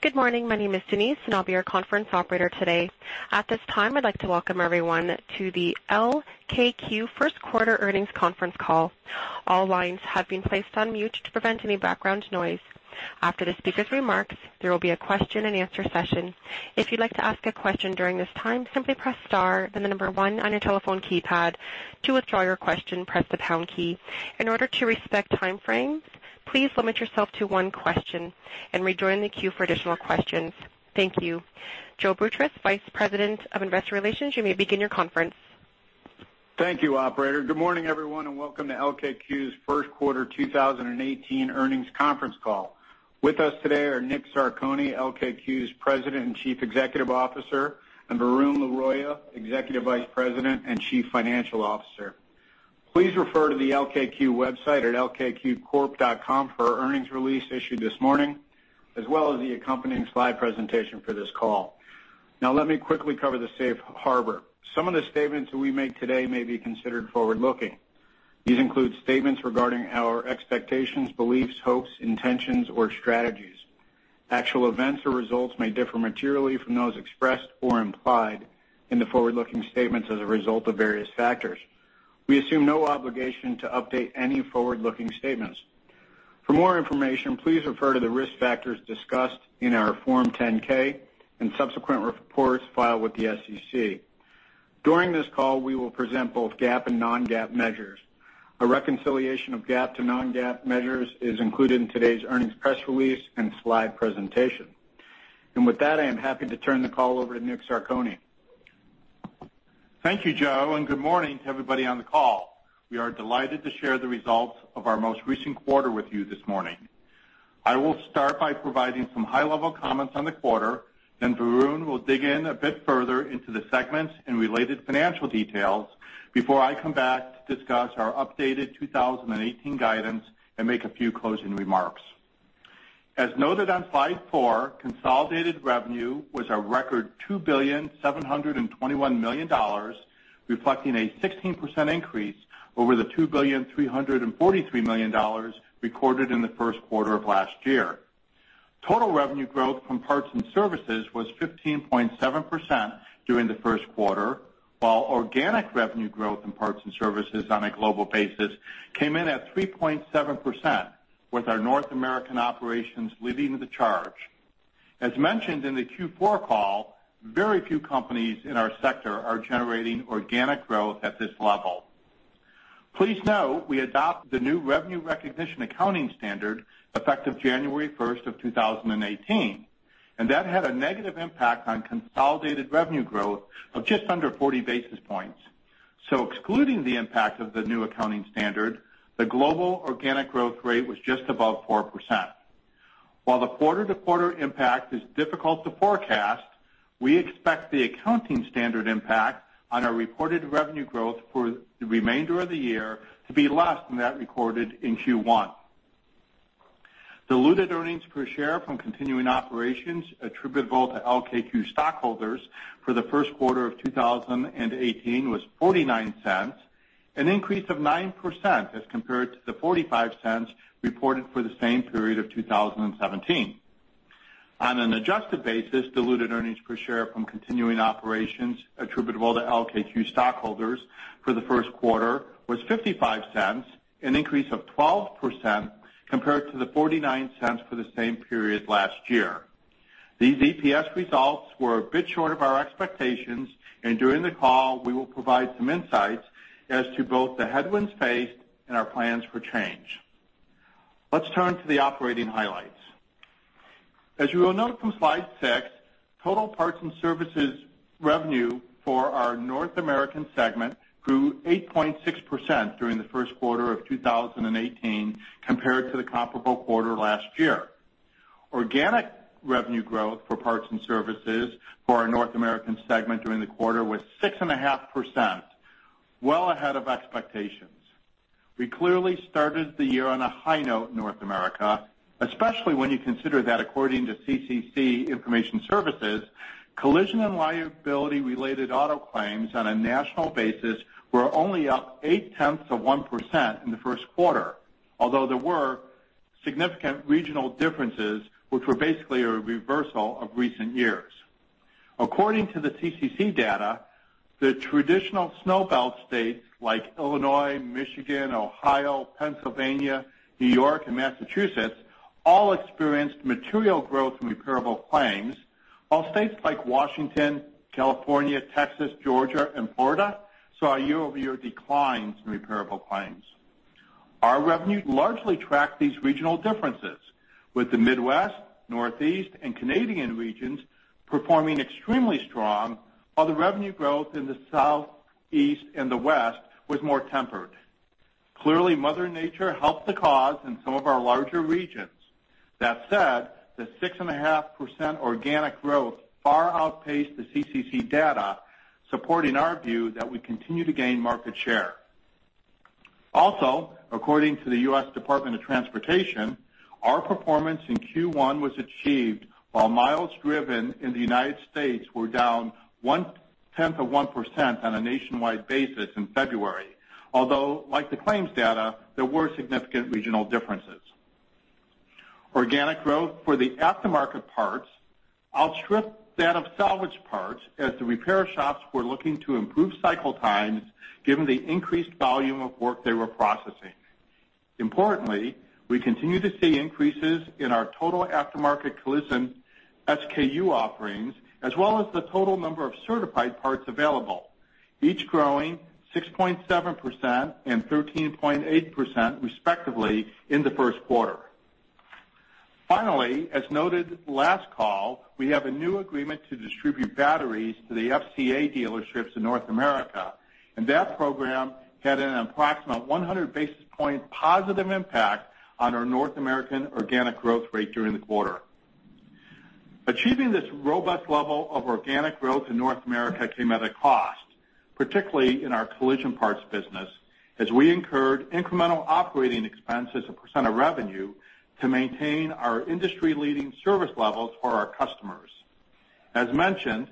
Good morning. My name is Denise, and I'll be your conference operator today. At this time, I'd like to welcome everyone to the LKQ First Quarter Earnings Conference Call. All lines have been placed on mute to prevent any background noise. After the speaker's remarks, there will be a question and answer session. If you'd like to ask a question during this time, simply press star, then the number 1 on your telephone keypad. To withdraw your question, press the pound key. In order to respect timeframes, please limit yourself to 1 question and rejoin the queue for additional questions. Thank you. Joseph Boutross, Vice President of Investor Relations, you may begin your conference. Thank you, operator. Good morning, everyone, and welcome to LKQ's First Quarter 2018 Earnings Conference Call. With us today are Dominick Zarcone, LKQ's President and Chief Executive Officer, and Varun Laroyia, Executive Vice President and Chief Financial Officer. Please refer to the LKQ website at lkqcorp.com for our earnings release issued this morning, as well as the accompanying slide presentation for this call. Let me quickly cover the safe harbor. Some of the statements that we make today may be considered forward-looking. These include statements regarding our expectations, beliefs, hopes, intentions, or strategies. Actual events or results may differ materially from those expressed or implied in the forward-looking statements as a result of various factors. We assume no obligation to update any forward-looking statements. For more information, please refer to the risk factors discussed in our Form 10-K and subsequent reports filed with the SEC. During this call, we will present both GAAP and non-GAAP measures. A reconciliation of GAAP to non-GAAP measures is included in today's earnings press release and slide presentation. With that, I am happy to turn the call over to Dominick Zarcone. Thank you, Joe, and good morning to everybody on the call. We are delighted to share the results of our most recent quarter with you this morning. I will start by providing some high-level comments on the quarter. Varun will dig in a bit further into the segments and related financial details before I come back to discuss our updated 2018 guidance and make a few closing remarks. As noted on slide four, consolidated revenue was a record $2.721 billion, reflecting a 16% increase over the $2.343 billion recorded in the first quarter of last year. Total revenue growth from parts and services was 15.7% during the first quarter, while organic revenue growth in parts and services on a global basis came in at 3.7%, with our North American operations leading the charge. As mentioned in the Q4 call, very few companies in our sector are generating organic growth at this level. Please note we adopt the new revenue recognition accounting standard effective January 1, 2018, and that had a negative impact on consolidated revenue growth of just under 40 basis points. Excluding the impact of the new accounting standard, the global organic growth rate was just above 4%. While the quarter-to-quarter impact is difficult to forecast, we expect the accounting standard impact on our reported revenue growth for the remainder of the year to be less than that recorded in Q1. Diluted earnings per share from continuing operations attributable to LKQ stockholders for the first quarter of 2018 was $0.49, an increase of 9% as compared to the $0.45 reported for the same period of 2017. On an adjusted basis, diluted earnings per share from continuing operations attributable to LKQ stockholders for the first quarter was $0.55, an increase of 12% compared to the $0.49 for the same period last year. These EPS results were a bit short of our expectations. During the call, we will provide some insights as to both the headwinds faced and our plans for change. Let's turn to the operating highlights. As you will note from slide six, total parts and services revenue for our North American segment grew 8.6% during the first quarter of 2018 compared to the comparable quarter last year. Organic revenue growth for parts and services for our North American segment during the quarter was 6.5%, well ahead of expectations. We clearly started the year on a high note in North America, especially when you consider that according to CCC Information Services, collision and liability-related auto claims on a national basis were only up 0.8% in the first quarter. Although there were significant regional differences, which were basically a reversal of recent years. According to the CCC data, the traditional Snow Belt states like Illinois, Michigan, Ohio, Pennsylvania, New York, and Massachusetts all experienced material growth in repairable claims, while states like Washington, California, Texas, Georgia, and Florida saw year-over-year declines in repairable claims. Our revenue largely tracked these regional differences, with the Midwest, Northeast, and Canadian regions performing extremely strong, while the revenue growth in the South, East, and the West was more tempered. Clearly, Mother Nature helped the cause in some of our larger regions. That said, the 6.5% organic growth far outpaced the CCC data, supporting our view that we continue to gain market share. Also, according to the U.S. Department of Transportation, our performance in Q1 was achieved while miles driven in the United States were down 0.1% on a nationwide basis in February. Although, like the claims data, there were significant regional differences. Organic growth for the aftermarket parts outstripped that of salvage parts as the repair shops were looking to improve cycle times given the increased volume of work they were processing. Importantly, we continue to see increases in our total aftermarket collision SKU offerings as well as the total number of certified parts available, each growing 6.7% and 13.8%, respectively, in the first quarter. As noted last call, we have a new agreement to distribute batteries to the FCA dealerships in North America, and that program had an approximate 100 basis point positive impact on our North American organic growth rate during the quarter. Achieving this robust level of organic growth in North America came at a cost, particularly in our collision parts business, as we incurred incremental operating expenses, a percent of revenue, to maintain our industry-leading service levels for our customers. As mentioned,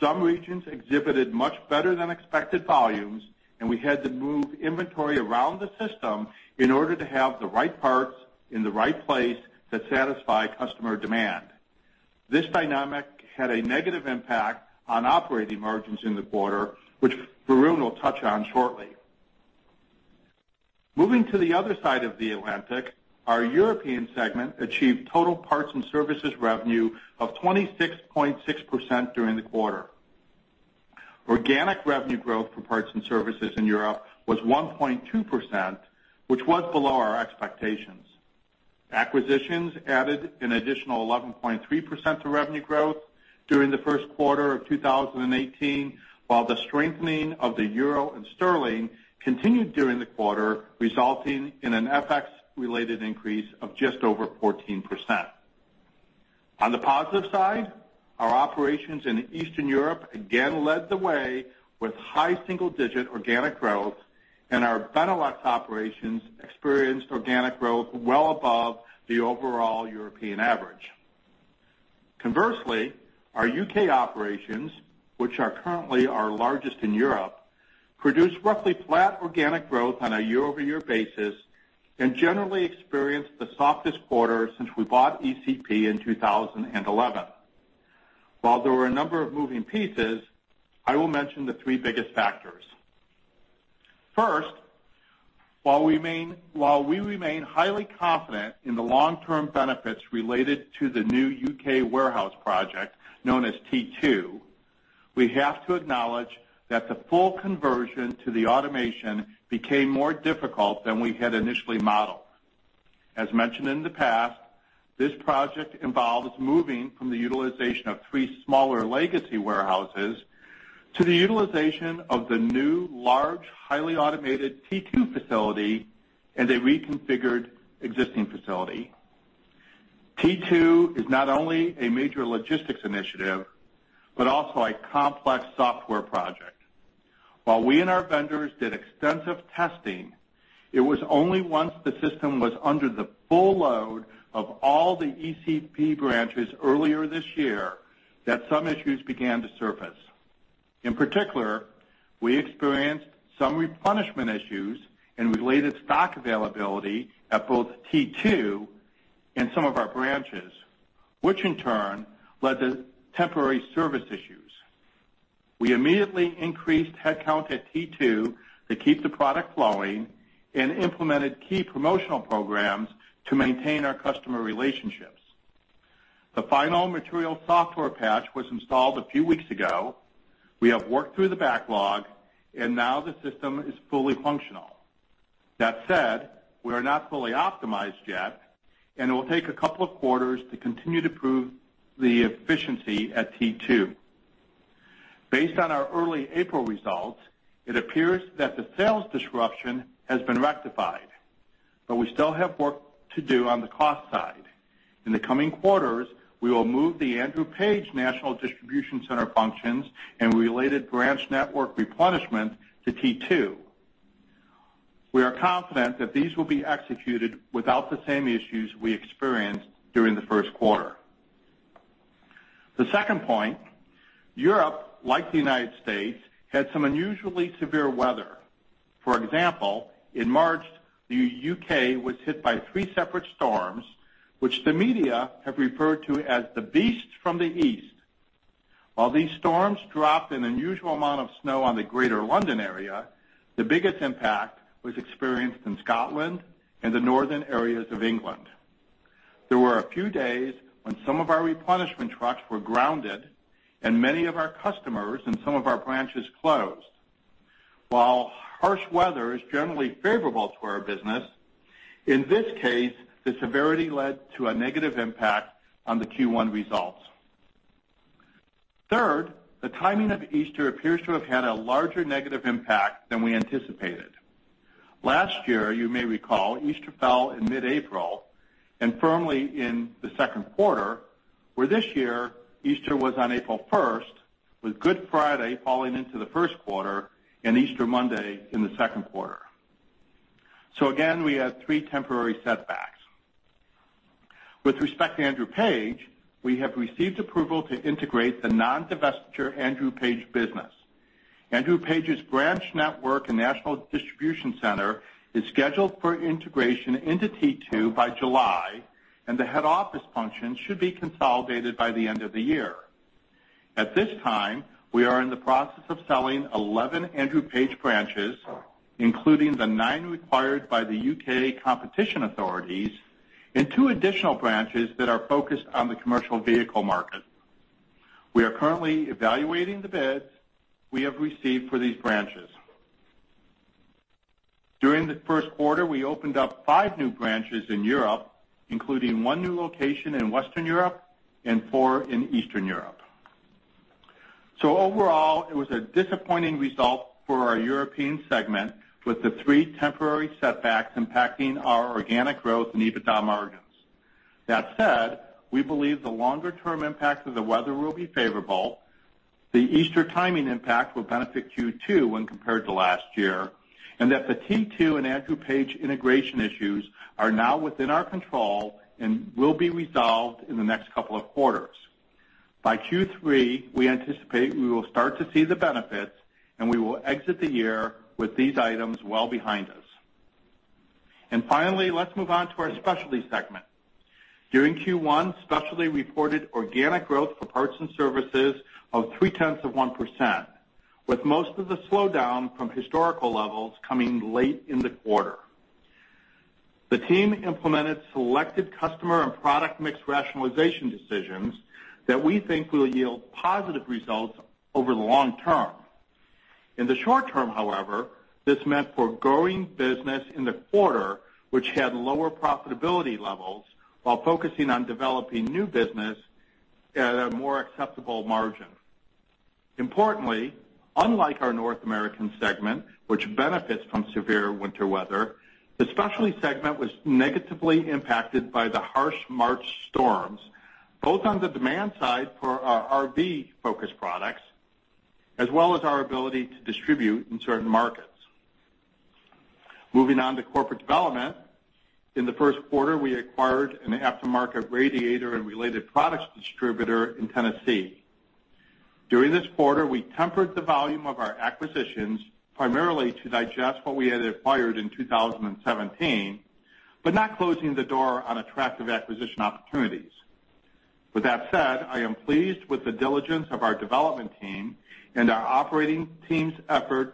some regions exhibited much better than expected volumes, and we had to move inventory around the system in order to have the right parts in the right place to satisfy customer demand. This dynamic had a negative impact on operating margins in the quarter, which Varun will touch on shortly. Moving to the other side of the Atlantic, our European segment achieved total parts and services revenue of 26.6% during the quarter. Organic revenue growth for parts and services in Europe was 1.2%, which was below our expectations. Acquisitions added an additional 11.3% to revenue growth during the first quarter of 2018, while the strengthening of the euro and sterling continued during the quarter, resulting in an FX-related increase of just over 14%. On the positive side, our operations in Eastern Europe again led the way with high single-digit organic growth, and our Benelux operations experienced organic growth well above the overall European average. Conversely, our U.K. operations, which are currently our largest in Europe, produced roughly flat organic growth on a year-over-year basis and generally experienced the softest quarter since we bought ECP in 2011. There were a number of moving pieces, I will mention the three biggest factors. First, while we remain highly confident in the long-term benefits related to the new U.K. warehouse project known as T2, we have to acknowledge that the full conversion to the automation became more difficult than we had initially modeled. As mentioned in the past, this project involves moving from the utilization of three smaller legacy warehouses to the utilization of the new, large, highly automated T2 facility and a reconfigured existing facility. T2 is not only a major logistics initiative but also a complex software project. While we and our vendors did extensive testing, it was only once the system was under the full load of all the ECP branches earlier this year that some issues began to surface. We experienced some replenishment issues and related stock availability at both T2 and some of our branches, which in turn led to temporary service issues. We immediately increased headcount at T2 to keep the product flowing and implemented key promotional programs to maintain our customer relationships. The final material software patch was installed a few weeks ago. We have worked through the backlog and now the system is fully functional. That said, we are not fully optimized yet, and it will take a couple of quarters to continue to prove the efficiency at T2. Based on our early April results, it appears that the sales disruption has been rectified, but we still have work to do on the cost side. In the coming quarters, we will move the Andrew Page National Distribution Center functions and related branch network replenishment to T2. We are confident that these will be executed without the same issues we experienced during the first quarter. The second point, Europe, like the U.S., had some unusually severe weather. For example, in March, the U.K. was hit by three separate storms, which the media have referred to as the Beast from the East. While these storms dropped an unusual amount of snow on the Greater London area, the biggest impact was experienced in Scotland and the northern areas of England. There were a few days when some of our replenishment trucks were grounded and many of our customers and some of our branches closed. While harsh weather is generally favorable to our business, in this case, the severity led to a negative impact on the Q1 results. Third, the timing of Easter appears to have had a larger negative impact than we anticipated. Last year, you may recall, Easter fell in mid-April and firmly in the second quarter, where this year, Easter was on April 1st, with Good Friday falling into the first quarter and Easter Monday in the second quarter. Again, we had three temporary setbacks. With respect to Andrew Page, we have received approval to integrate the non-divestiture Andrew Page business. Andrew Page's branch network and national distribution center is scheduled for integration into T2 by July, and the head office function should be consolidated by the end of the year. At this time, we are in the process of selling 11 Andrew Page branches, including the nine required by the U.K. competition authorities and two additional branches that are focused on the commercial vehicle market. We are currently evaluating the bids we have received for these branches. During the first quarter, we opened up five new branches in Europe, including one new location in Western Europe and four in Eastern Europe. Overall, it was a disappointing result for our European segment, with the three temporary setbacks impacting our organic growth and EBITDA margins. That said, we believe the longer-term impact of the weather will be favorable, the Easter timing impact will benefit Q2 when compared to last year, and that the T2 and Andrew Page integration issues are now within our control and will be resolved in the next couple of quarters. By Q3, we anticipate we will start to see the benefits, and we will exit the year with these items well behind us. Finally, let's move on to our specialty segment. During Q1, specialty reported organic growth for parts and services of three-tenths of 1%, with most of the slowdown from historical levels coming late in the quarter. The team implemented selected customer and product mix rationalization decisions that we think will yield positive results over the long term. In the short term, however, this meant foregoing business in the quarter, which had lower profitability levels while focusing on developing new business at a more acceptable margin. Importantly, unlike our North American segment, which benefits from severe winter weather, the specialty segment was negatively impacted by the harsh March storms, both on the demand side for our RV-focused products, as well as our ability to distribute in certain markets. Moving on to corporate development. In the first quarter, we acquired an aftermarket radiator and related products distributor in Tennessee. During this quarter, we tempered the volume of our acquisitions primarily to digest what we had acquired in 2017, but not closing the door on attractive acquisition opportunities. With that said, I am pleased with the diligence of our development team and our operating team's efforts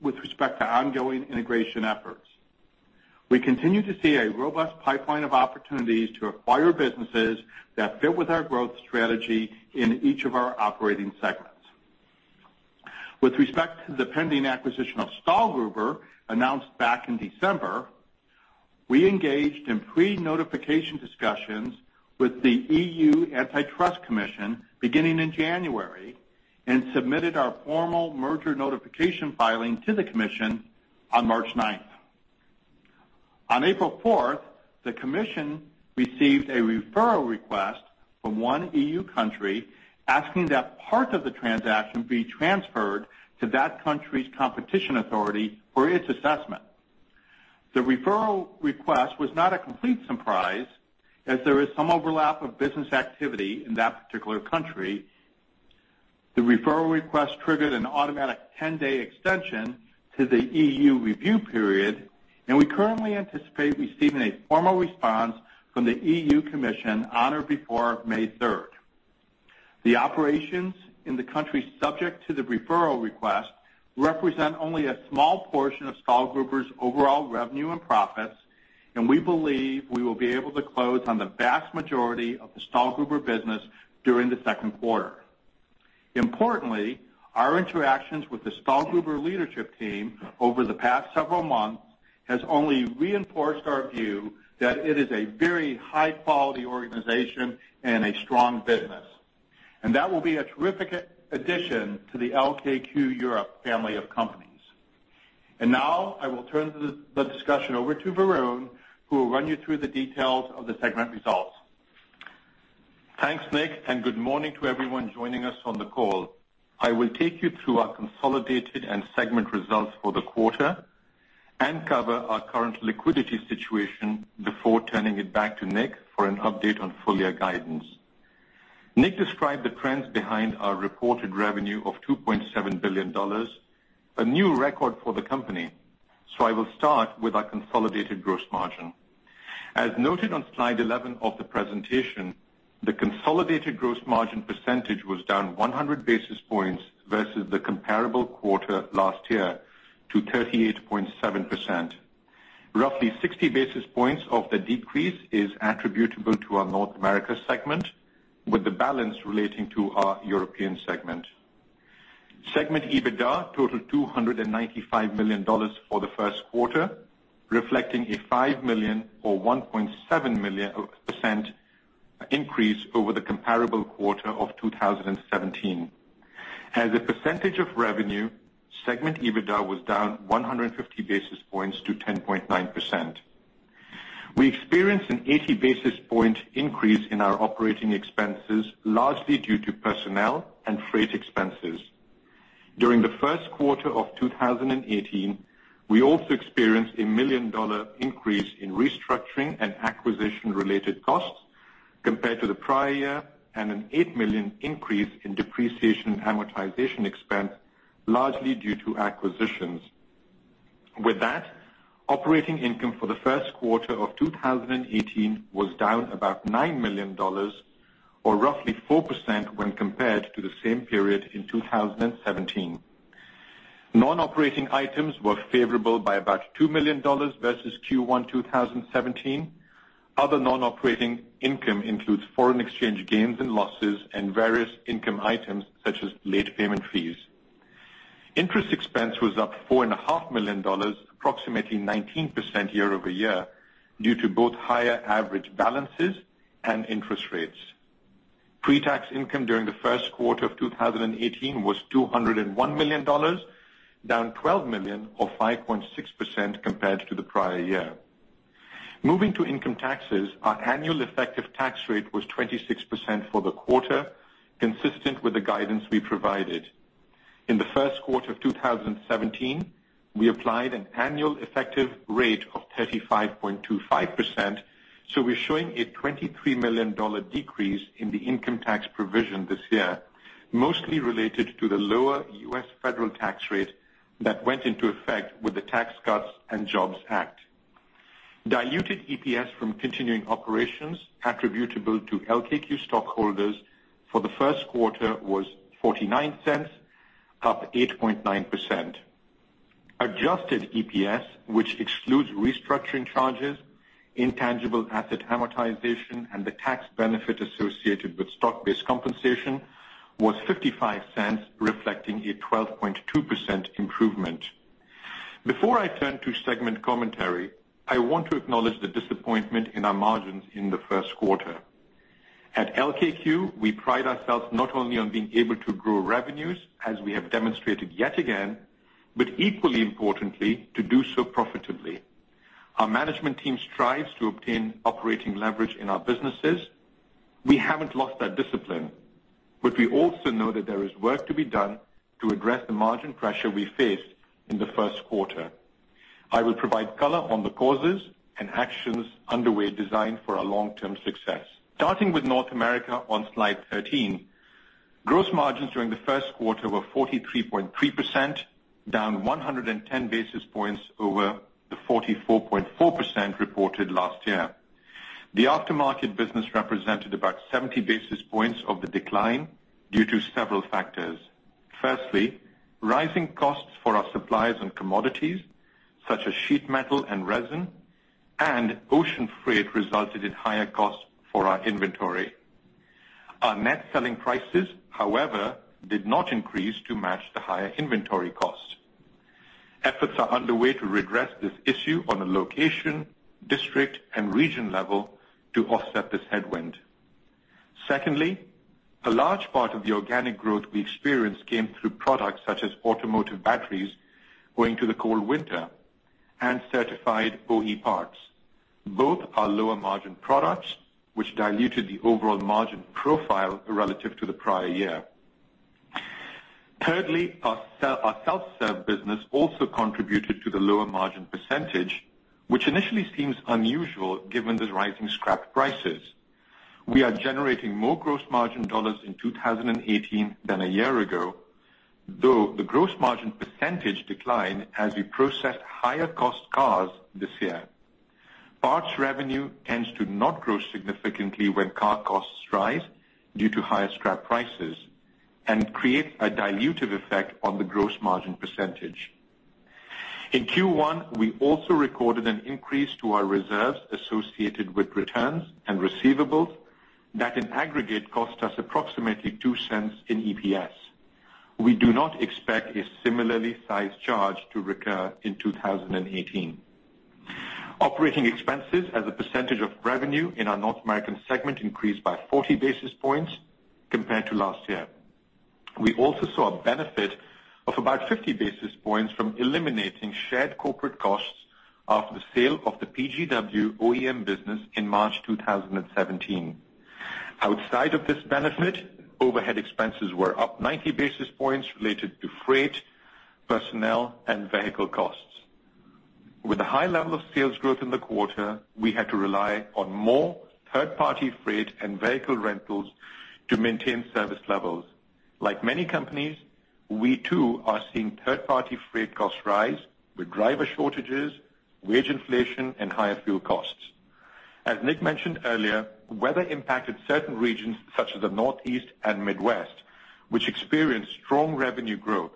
with respect to ongoing integration efforts. We continue to see a robust pipeline of opportunities to acquire businesses that fit with our growth strategy in each of our operating segments. With respect to the pending acquisition of Stahlgruber, announced back in December, we engaged in pre-notification discussions with the European Commission beginning in January and submitted our formal merger notification filing to the commission on March ninth. On April fourth, the commission received a referral request from one EU country asking that part of the transaction be transferred to that country's competition authority for its assessment. The referral request was not a complete surprise, as there is some overlap of business activity in that particular country. The referral request triggered an automatic 10-day extension to the EU review period, and we currently anticipate receiving a formal response from the European Commission on or before May third. The operations in the country subject to the referral request represent only a small portion of Stahlgruber's overall revenue and profits, and we believe we will be able to close on the vast majority of the Stahlgruber business during the second quarter. Importantly, our interactions with the Stahlgruber leadership team over the past several months has only reinforced our view that it is a very high-quality organization and a strong business. That will be a terrific addition to the LKQ Europe family of companies. Now, I will turn the discussion over to Varun, who will run you through the details of the segment results. Thanks, Nick, and good morning to everyone joining us on the call. I will take you through our consolidated and segment results for the quarter and cover our current liquidity situation before turning it back to Nick for an update on full-year guidance. Nick described the trends behind our reported revenue of $2.7 billion, a new record for the company. I will start with our consolidated gross margin. As noted on slide 11 of the presentation, the consolidated gross margin percentage was down 100 basis points versus the comparable quarter last year to 38.7%. Roughly 60 basis points of the decrease is attributable to our North America segment, with the balance relating to our European segment. Segment EBITDA totaled $295 million for the first quarter, reflecting a $5 million or 1.7% increase over the comparable quarter of 2017. As a percentage of revenue, segment EBITDA was down 150 basis points to 10.9%. We experienced an 80 basis point increase in our operating expenses, largely due to personnel and freight expenses. During the first quarter of 2018, we also experienced a $1 million increase in restructuring and acquisition-related costs compared to the prior year, and an $8 million increase in depreciation and amortization expense, largely due to acquisitions. With that, operating income for the first quarter of 2018 was down about $9 million, or roughly 4% when compared to the same period in 2017. Non-operating items were favorable by about $2 million versus Q1 2017. Other non-operating income includes foreign exchange gains and losses and various income items such as late payment fees. Interest expense was up $4.5 million, approximately 19% year-over-year, due to both higher average balances and interest rates. Pre-tax income during the first quarter of 2018 was $201 million, down $12 million, or 5.6% compared to the prior year. Moving to income taxes, our annual effective tax rate was 26% for the quarter, consistent with the guidance we provided. In the first quarter of 2017, we applied an annual effective rate of 35.25%. We're showing a $23 million decrease in the income tax provision this year, mostly related to the lower U.S. federal tax rate that went into effect with the Tax Cuts and Jobs Act. Diluted EPS from continuing operations attributable to LKQ stockholders for the first quarter was $0.49, up 8.9%. Adjusted EPS, which excludes restructuring charges, intangible asset amortization, and the tax benefit associated with stock-based compensation, was $0.55, reflecting a 12.2% improvement. Before I turn to segment commentary, I want to acknowledge the disappointment in our margins in the first quarter. At LKQ, we pride ourselves not only on being able to grow revenues, as we have demonstrated yet again, but equally importantly, to do so profitably. Our management team strives to obtain operating leverage in our businesses. We haven't lost that discipline, but we also know that there is work to be done to address the margin pressure we faced in the first quarter. I will provide color on the causes and actions underway designed for our long-term success. Starting with North America on slide 13, gross margins during the first quarter were 43.3%, down 110 basis points over the 44.4% reported last year. The aftermarket business represented about 70 basis points of the decline due to several factors. Firstly, rising costs for our suppliers and commodities, such as sheet metal and resin, and ocean freight resulted in higher costs for our inventory. Our net selling prices, however, did not increase to match the higher inventory cost. Efforts are underway to redress this issue on a location, district, and region level to offset this headwind. Secondly, a large part of the organic growth we experienced came through products such as automotive batteries owing to the cold winter and certified OE parts. Both are lower-margin products, which diluted the overall margin profile relative to the prior year. Thirdly, our self-serve business also contributed to the lower margin percentage, which initially seems unusual given the rising scrap prices. We are generating more gross margin dollars in 2018 than a year ago, though the gross margin percentage declined as we processed higher-cost cars this year. Parts revenue tends to not grow significantly when car costs rise due to higher scrap prices and creates a dilutive effect on the gross margin percentage. In Q1, we also recorded an increase to our reserves associated with returns and receivables that, in aggregate, cost us approximately $0.02 in EPS. We do not expect a similarly sized charge to recur in 2018. Operating expenses as a percentage of revenue in our North American segment increased by 40 basis points compared to last year. We also saw a benefit of about 50 basis points from eliminating shared corporate costs after the sale of the PGW OEM business in March 2017. Outside of this benefit, overhead expenses were up 90 basis points related to freight, personnel, and vehicle costs. With the high level of sales growth in the quarter, we had to rely on more third-party freight and vehicle rentals to maintain service levels. Like many companies, we too are seeing third-party freight costs rise with driver shortages, wage inflation, and higher fuel costs. As Nick mentioned earlier, weather impacted certain regions such as the Northeast and Midwest, which experienced strong revenue growth.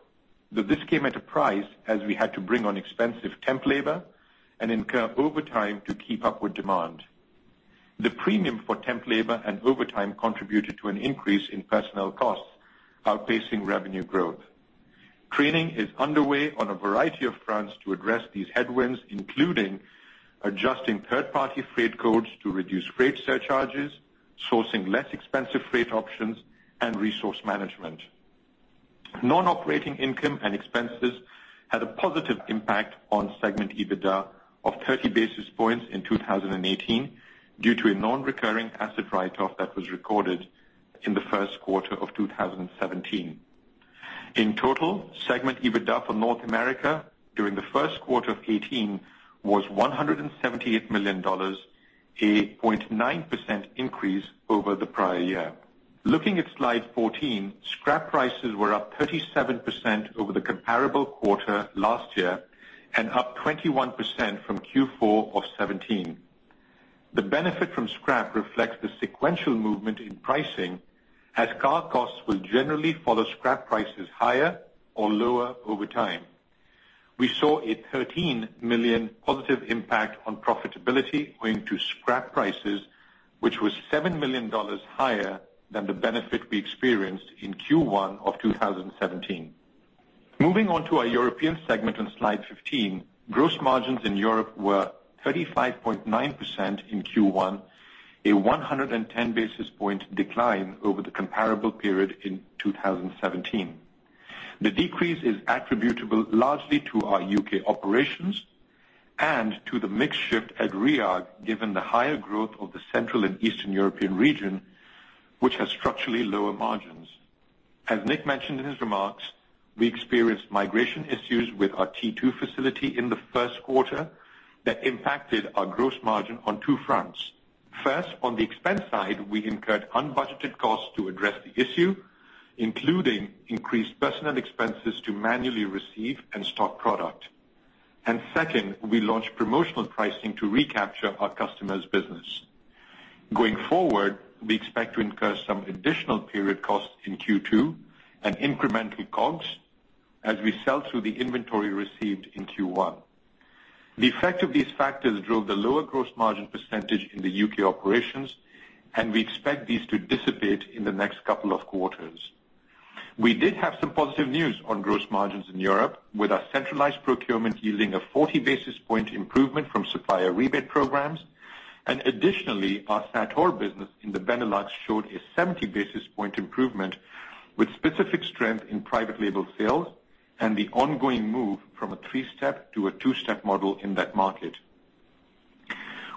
Though this came at a price, as we had to bring on expensive temp labor and incur overtime to keep up with demand. The premium for temp labor and overtime contributed to an increase in personnel costs, outpacing revenue growth. Training is underway on a variety of fronts to address these headwinds, including adjusting third-party freight codes to reduce freight surcharges, sourcing less expensive freight options, and resource management. Non-operating income and expenses had a positive impact on segment EBITDA of 30 basis points in 2018 due to a non-recurring asset write-off that was recorded in the first quarter of 2017. In total, segment EBITDA for North America during the first quarter of 2018 was $178 million, a 0.9% increase over the prior year. Looking at slide 14, scrap prices were up 37% over the comparable quarter last year, and up 21% from Q4 of 2017. The benefit from scrap reflects the sequential movement in pricing, as car costs will generally follow scrap prices higher or lower over time. We saw a $13 million positive impact on profitability owing to scrap prices, which was $7 million higher than the benefit we experienced in Q1 of 2017. Moving on to our European segment on slide 15. Gross margins in Europe were 35.9% in Q1, a 110 basis point decline over the comparable period in 2017. The decrease is attributable largely to our U.K. operations and to the mix shift at Rhiag, given the higher growth of the central and Eastern European region, which has structurally lower margins. As Nick mentioned in his remarks, we experienced migration issues with our T2 facility in the first quarter that impacted our gross margin on two fronts. First, on the expense side, we incurred unbudgeted costs to address the issue, including increased personnel expenses to manually receive and stock product. Second, we launched promotional pricing to recapture our customers' business. Going forward, we expect to incur some additional period costs in Q2 and incremental costs as we sell through the inventory received in Q1. The effect of these factors drove the lower gross margin percentage in the U.K. operations, and we expect these to dissipate in the next couple of quarters. We did have some positive news on gross margins in Europe with our centralized procurement yielding a 40-basis point improvement from supplier rebate programs. Additionally, our Sator business in the Benelux showed a 70-basis point improvement with specific strength in private label sales and the ongoing move from a three-step to a two-step model in that market.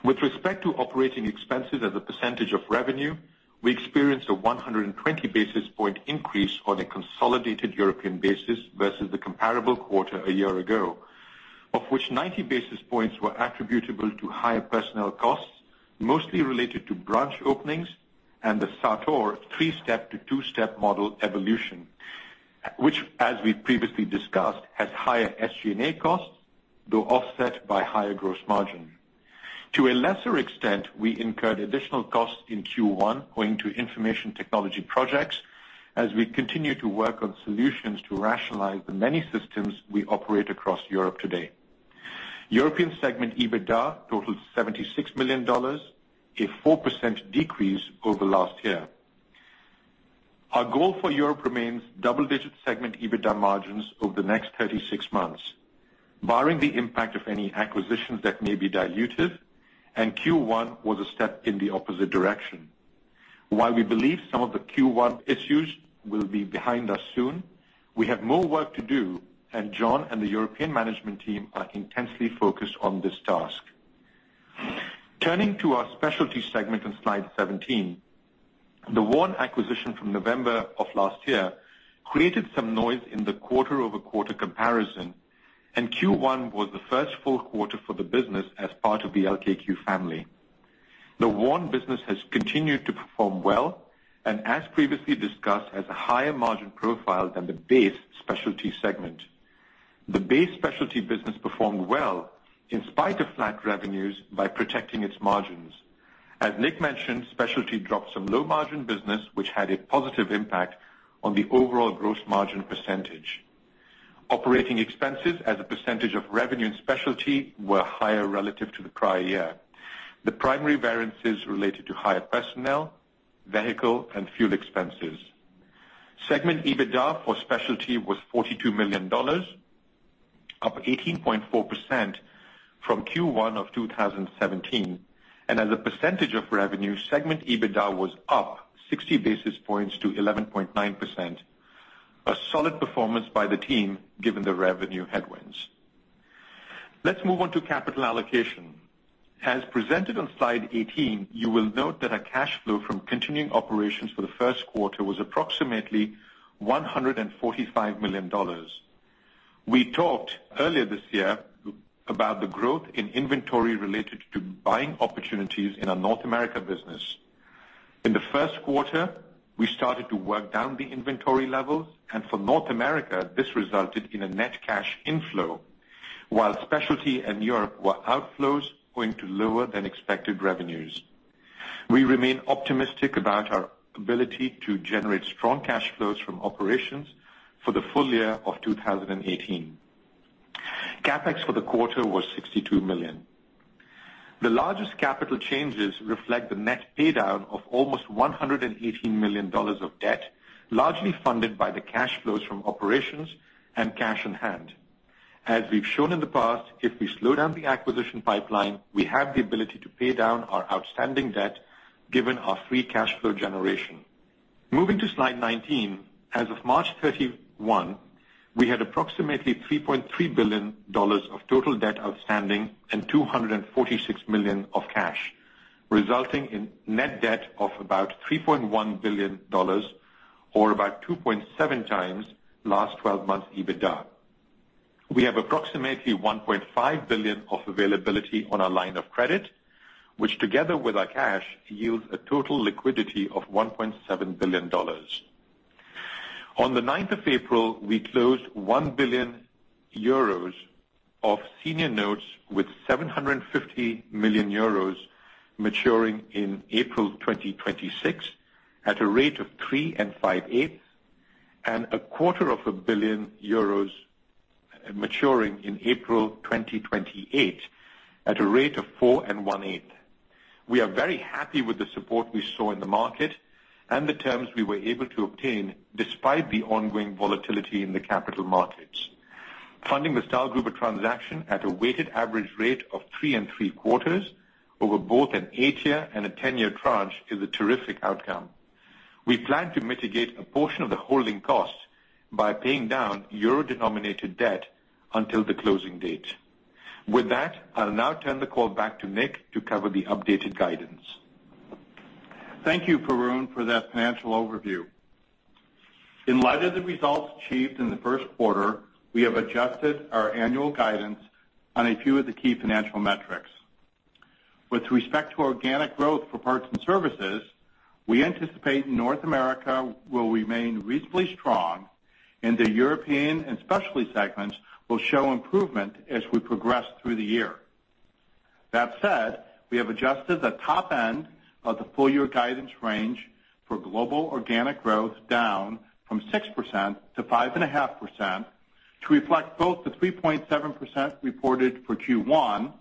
With respect to operating expenses as a percentage of revenue, we experienced a 120-basis point increase on a consolidated European basis versus the comparable quarter a year ago, of which 90 basis points were attributable to higher personnel costs, mostly related to branch openings and the Sator three-step to two-step model evolution, which, as we previously discussed, has higher SG&A costs, though offset by higher gross margin. To a lesser extent, we incurred additional costs in Q1 owing to information technology projects as we continue to work on solutions to rationalize the many systems we operate across Europe today. European segment EBITDA totaled $76 million, a 4% decrease over last year. Our goal for Europe remains double-digit segment EBITDA margins over the next 36 months, barring the impact of any acquisitions that may be dilutive, and Q1 was a step in the opposite direction. While we believe some of the Q1 issues will be behind us soon, we have more work to do, and John and the European management team are intensely focused on this task. Turning to our specialty segment on slide 17. The Warn Industries acquisition from November of last year created some noise in the quarter-over-quarter comparison, and Q1 was the first full quarter for the business as part of the LKQ family. The Warn Industries business has continued to perform well, and, as previously discussed, has a higher margin profile than the base specialty segment. The base specialty business performed well in spite of flat revenues by protecting its margins. As Nick mentioned, specialty dropped some low-margin business, which had a positive impact on the overall gross margin percentage. Operating expenses as a percentage of revenue and specialty were higher relative to the prior year. The primary variances related to higher personnel, vehicle, and fuel expenses. Segment EBITDA for specialty was $42 million, up 18.4% from Q1 of 2017. As a percentage of revenue, segment EBITDA was up 60 basis points to 11.9%. A solid performance by the team given the revenue headwinds. Let's move on to capital allocation. As presented on slide 18, you will note that our cash flow from continuing operations for the first quarter was approximately $145 million. We talked earlier this year about the growth in inventory related to buying opportunities in our North America business. In the first quarter, we started to work down the inventory levels. For North America, this resulted in a net cash inflow, while specialty and Europe were outflows owing to lower-than-expected revenues. We remain optimistic about our ability to generate strong cash flows from operations for the full year of 2018. CapEx for the quarter was $62 million. The largest capital changes reflect the net paydown of almost $118 million of debt, largely funded by the cash flows from operations and cash on hand. As we've shown in the past, if we slow down the acquisition pipeline, we have the ability to pay down our outstanding debt given our free cash flow generation. Moving to slide 19. As of March 31, we had approximately $3.3 billion of total debt outstanding and $246 million of cash, resulting in net debt of about $3.1 billion or about 2.7 times last 12 months EBITDA. We have approximately $1.5 billion of availability on our line of credit, which together with our cash, yields a total liquidity of $1.7 billion. On the ninth of April, we closed 1 billion euros of senior notes with 750 million euros maturing in April 2026 at a rate of three and five-eighths, and a quarter of a billion EUR maturing in April 2028 at a rate of four and one-eighth. We are very happy with the support we saw in the market and the terms we were able to obtain despite the ongoing volatility in the capital markets. Funding the Stahlgruber transaction at a weighted average rate of three and three-quarters over both an eight-year and a 10-year tranche is a terrific outcome. We plan to mitigate a portion of the holding cost by paying down euro-denominated debt until the closing date. With that, I'll now turn the call back to Nick to cover the updated guidance. Thank you, Varun, for that financial overview. In light of the results achieved in the first quarter, we have adjusted our annual guidance on a few of the key financial metrics. With respect to organic growth for parts and services, we anticipate North America will remain reasonably strong, and the European and specialty segments will show improvement as we progress through the year. That said, we have adjusted the top end of the full-year guidance range for global organic growth down from 6% to 5.5% to reflect both the 3.7% reported for Q1,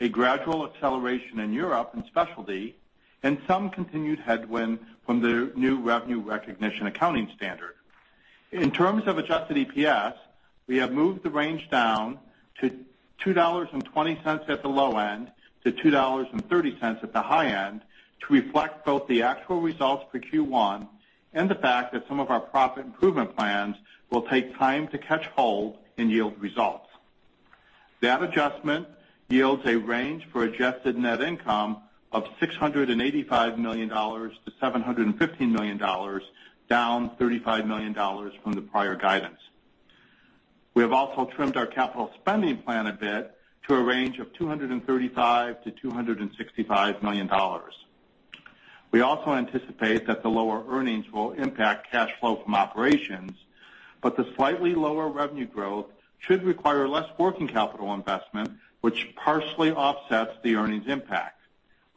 a gradual acceleration in Europe and specialty, and some continued headwind from the new revenue recognition accounting standard. In terms of adjusted EPS, we have moved the range down to $2.20 at the low end to $2.30 at the high end to reflect both the actual results for Q1 and the fact that some of our profit improvement plans will take time to catch hold and yield results. That adjustment yields a range for adjusted net income of $685 million to $715 million, down $35 million from the prior guidance. We have also trimmed our capital spending plan a bit to a range of $235 million to $265 million. We also anticipate that the lower earnings will impact cash flow from operations, but the slightly lower revenue growth should require less working capital investment, which partially offsets the earnings impact.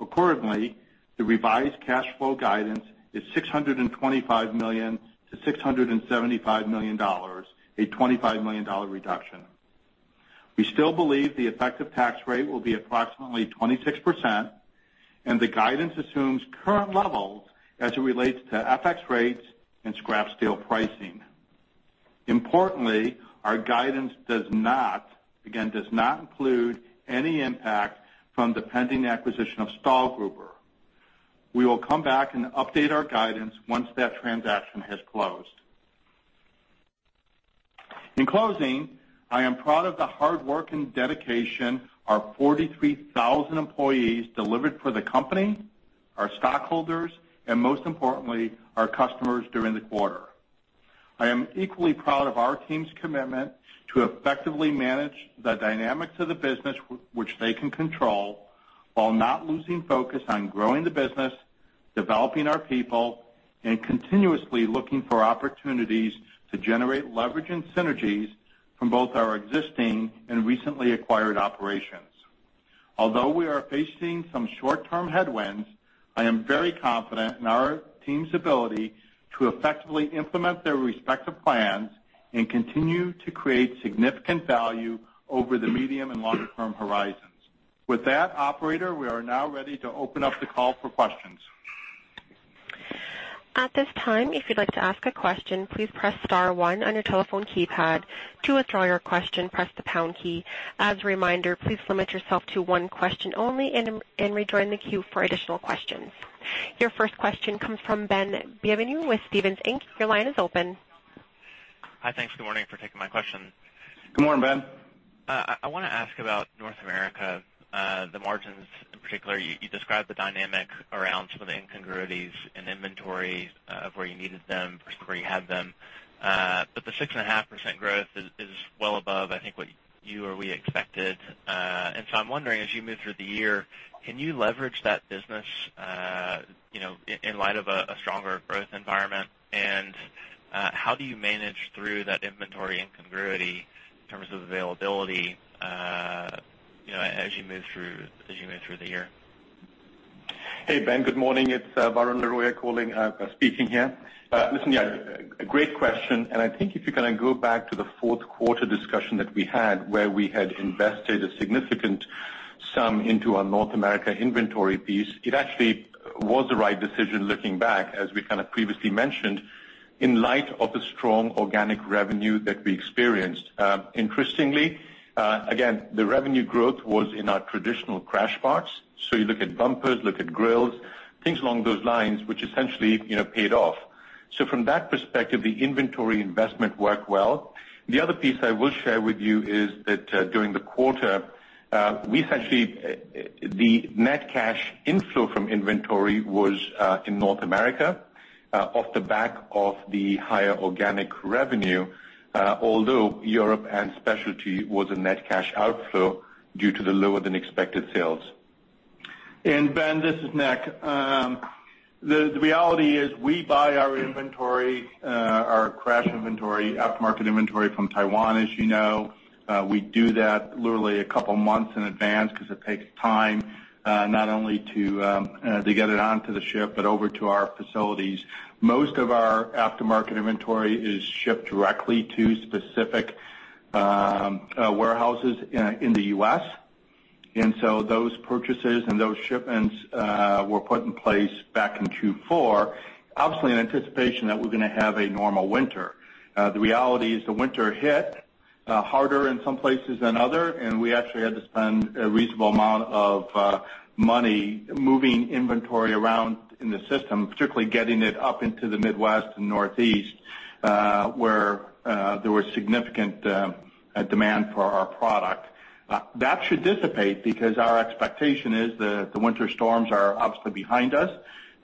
Accordingly, the revised cash flow guidance is $625 million to $675 million, a $25 million reduction. We still believe the effective tax rate will be approximately 26%, and the guidance assumes current levels as it relates to FX rates and scrap steel pricing. Importantly, our guidance does not, again, does not include any impact from the pending acquisition of Stahlgruber. We will come back and update our guidance once that transaction has closed. In closing, I am proud of the hard work and dedication our 43,000 employees delivered for the company, our stockholders, and most importantly, our customers during the quarter. I am equally proud of our team's commitment to effectively manage the dynamics of the business which they can control while not losing focus on growing the business, developing our people, and continuously looking for opportunities to generate leverage and synergies from both our existing and recently acquired operations. Although we are facing some short-term headwinds, I am very confident in our team's ability to effectively implement their respective plans and continue to create significant value over the medium and longer-term horizons. With that, operator, we are now ready to open up the call for questions. At this time, if you'd like to ask a question, please press star one on your telephone keypad. To withdraw your question, press the pound key. As a reminder, please limit yourself to one question only and rejoin the queue for additional questions. Your first question comes from Ben Bienvenu with Stephens Inc. Your line is open. Hi. Thanks. Good morning for taking my question. Good morning, Ben. I want to ask about North America, the margins in particular. You described the dynamic around some of the incongruities in inventory of where you needed them versus where you had them. The 6.5% growth is well above, I think, what you or we expected. I'm wondering, as you move through the year, can you leverage that business, you know, in light of a stronger growth environment? How do you manage through that inventory incongruity in terms of availability, you know, as you move through the year? Hey, Ben. Good morning. It's Varun Laroyia calling, speaking here. Listen, yeah, a great question. I think if you kind of go back to the fourth quarter discussion that we had where we had invested a significant sum into our North America inventory piece. It actually was the right decision looking back, as we kind of previously mentioned. In light of the strong organic revenue that we experienced. Interestingly, again, the revenue growth was in our traditional crash parts. You look at bumpers, look at grills, things along those lines, which essentially paid off. From that perspective, the inventory investment worked well. The other piece I will share with you is that during the quarter, essentially, the net cash inflow from inventory was in North America off the back of the higher organic revenue, although Europe and specialty was a net cash outflow due to the lower than expected sales. Ben, this is Nick. The reality is we buy our inventory, our crash inventory, aftermarket inventory from Taiwan, as you know. We do that literally a couple of months in advance because it takes time not only to get it onto the ship, but over to our facilities. Most of our aftermarket inventory is shipped directly to specific warehouses in the U.S. Those purchases and those shipments were put in place back in Q4, obviously in anticipation that we're going to have a normal winter. The reality is the winter hit harder in some places than others, and we actually had to spend a reasonable amount of money moving inventory around in the system, particularly getting it up into the Midwest and Northeast, where there was significant demand for our product. That should dissipate because our expectation is that the winter storms are obviously behind us,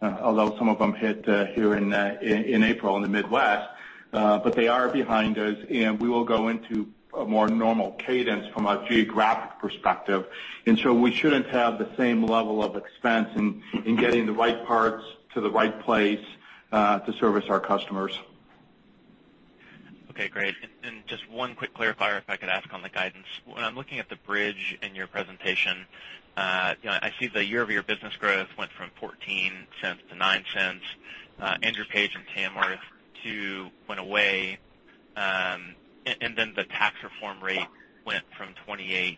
although some of them hit here in April in the Midwest. They are behind us, and we will go into a more normal cadence from a geographic perspective. We shouldn't have the same level of expense in getting the right parts to the right place to service our customers. Okay, great. Just one quick clarifier if I could ask on the guidance. When I'm looking at the bridge in your presentation, I see the year-over-year business growth went from $0.14 to $0.09. Andrew Page and Tamworth T2 went away, then the tax reform rate went from $0.28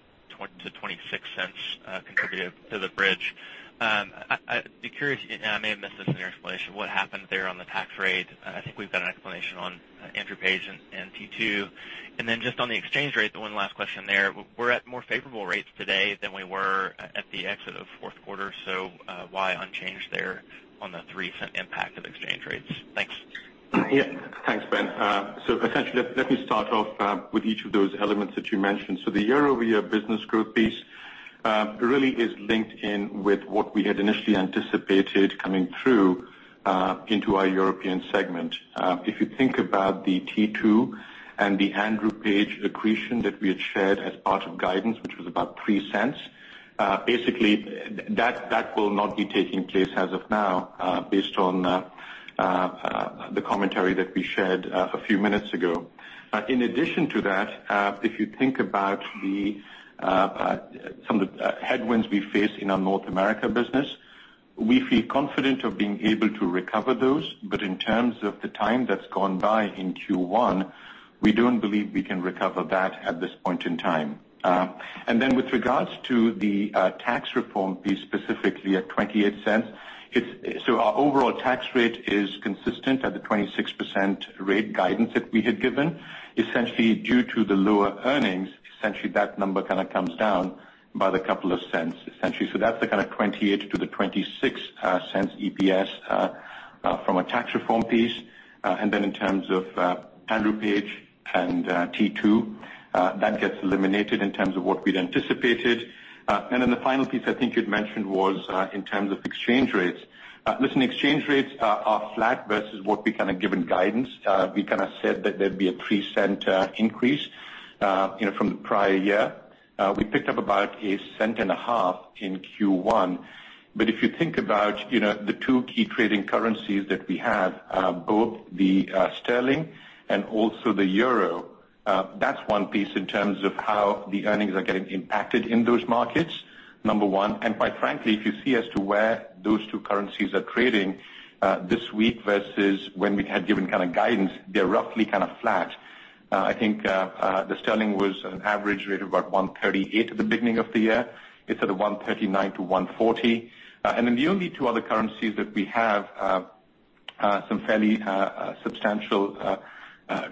to $0.26 contributed to the bridge. I'd be curious, and I may have missed this in your explanation, what happened there on the tax rate. I think we've got an explanation on Andrew Page and T2. Just on the exchange rate, one last question there. We're at more favorable rates today than we were at the exit of fourth quarter. Why unchanged there on the $0.03 impact of exchange rates? Thanks. Yeah. Thanks, Ben. Essentially, let me start off with each of those elements that you mentioned. The year-over-year business growth piece really is linked in with what we had initially anticipated coming through into our European segment. If you think about the T2 and the Andrew Page accretion that we had shared as part of guidance, which was about $0.03, basically that will not be taking place as of now based on the commentary that we shared a few minutes ago. In addition to that, if you think about some of the headwinds we face in our North America business, we feel confident of being able to recover those. In terms of the time that's gone by in Q1, we don't believe we can recover that at this point in time. With regards to the tax reform piece, specifically at $0.28, our overall tax rate is consistent at the 26% rate guidance that we had given. Due to the lower earnings, that number kind of comes down by the $0.02. That's the kind of $0.28-$0.26 EPS from a tax reform piece. In terms of Andrew Page and T2, that gets eliminated in terms of what we'd anticipated. The final piece I think you'd mentioned was in terms of exchange rates. Listen, exchange rates are flat versus what we kind of given guidance. We kind of said that there'd be a $0.03 increase from the prior year. We picked up about $0.015 in Q1. If you think about the two key trading currencies that we have, both the sterling and also the euro, that's one piece in terms of how the earnings are getting impacted in those markets, number one. Quite frankly, if you see as to where those two currencies are trading this week versus when we had given kind of guidance, they're roughly kind of flat. I think the sterling was an average rate of about 1.38 at the beginning of the year. It's at a 1.39-1.40. The only two other currencies that we have some fairly substantial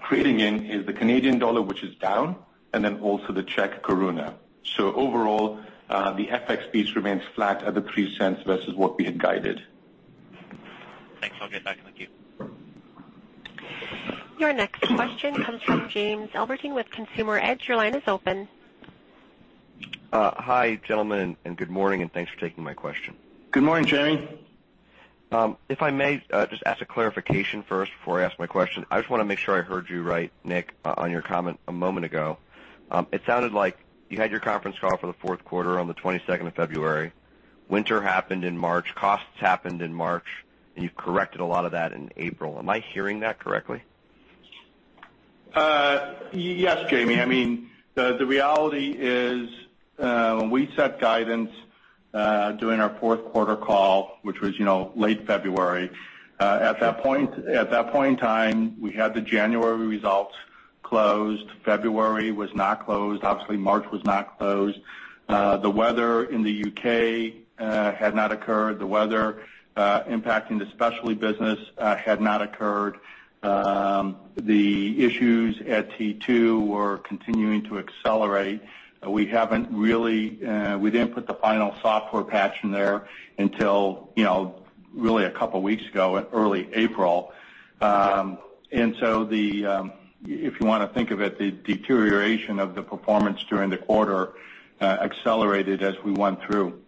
trading in is the Canadian dollar, which is down, and also the Czech koruna. Overall, the FX piece remains flat at the $0.03 versus what we had guided. Thanks. I'll get back with you. Your next question comes from Jamie Albertine with Consumer Edge. Your line is open. Hi, gentlemen, good morning, and thanks for taking my question. Good morning, Jamie. If I may just ask a clarification first before I ask my question. I just want to make sure I heard you right, Nick, on your comment a moment ago. It sounded like you had your conference call for the fourth quarter on the 22nd of February. Winter happened in March. Costs happened in March. You've corrected a lot of that in April. Am I hearing that correctly? Yes, Jamie. The reality is when we set guidance during our fourth quarter call, which was late February, at that point in time, we had the January results closed. February was not closed. Obviously, March was not closed. The weather in the U.K. had not occurred. The weather impacting the specialty business had not occurred. The issues at T2 were continuing to accelerate. We didn't put the final software patch in there until really a couple of weeks ago in early April. So if you want to think of it, the deterioration of the performance during the quarter accelerated as we went through.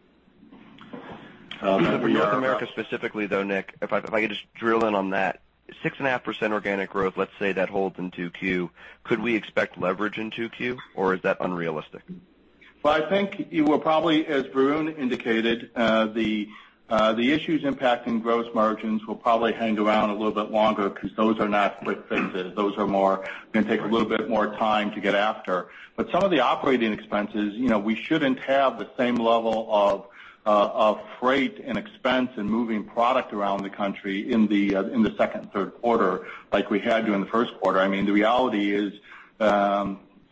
For North America specifically, though, Nick, if I could just drill in on that six and a half percent organic growth, let's say that holds in Q2, could we expect leverage in Q2 or is that unrealistic? Well, I think you will probably, as Varun indicated, the issues impacting gross margins will probably hang around a little bit longer because those are not quick fixes. Those are going to take a little bit more time to get after. Some of the operating expenses, we shouldn't have the same level of freight and expense in moving product around the country in the second and third quarter like we had during the first quarter. The reality is,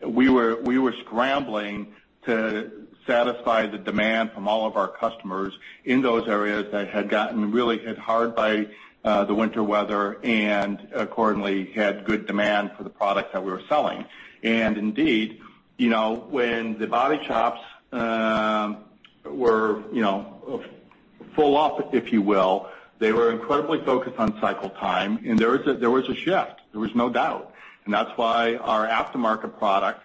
we were scrambling to satisfy the demand from all of our customers in those areas that had gotten really hit hard by the winter weather and accordingly had good demand for the product that we were selling. Indeed, when the body shops were full up, if you will, they were incredibly focused on cycle time, and there was a shift. There was no doubt. That's why our aftermarket product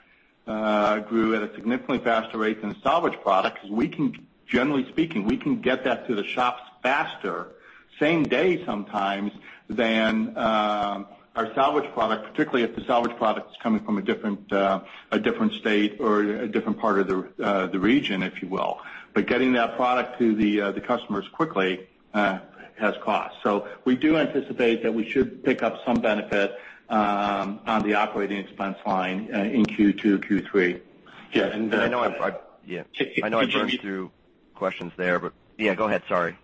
grew at a significantly faster rate than the salvage product, because generally speaking, we can get that to the shops faster, same day sometimes, than our salvage product, particularly if the salvage product is coming from a different state or a different part of the region, if you will. Getting that product to the customers quickly has costs. We do anticipate that we should pick up some benefit on the operating expense line in Q2, Q3. Yeah. I know. Yeah. Could you repeat? I know I burned through questions there. Yeah, go ahead, sorry.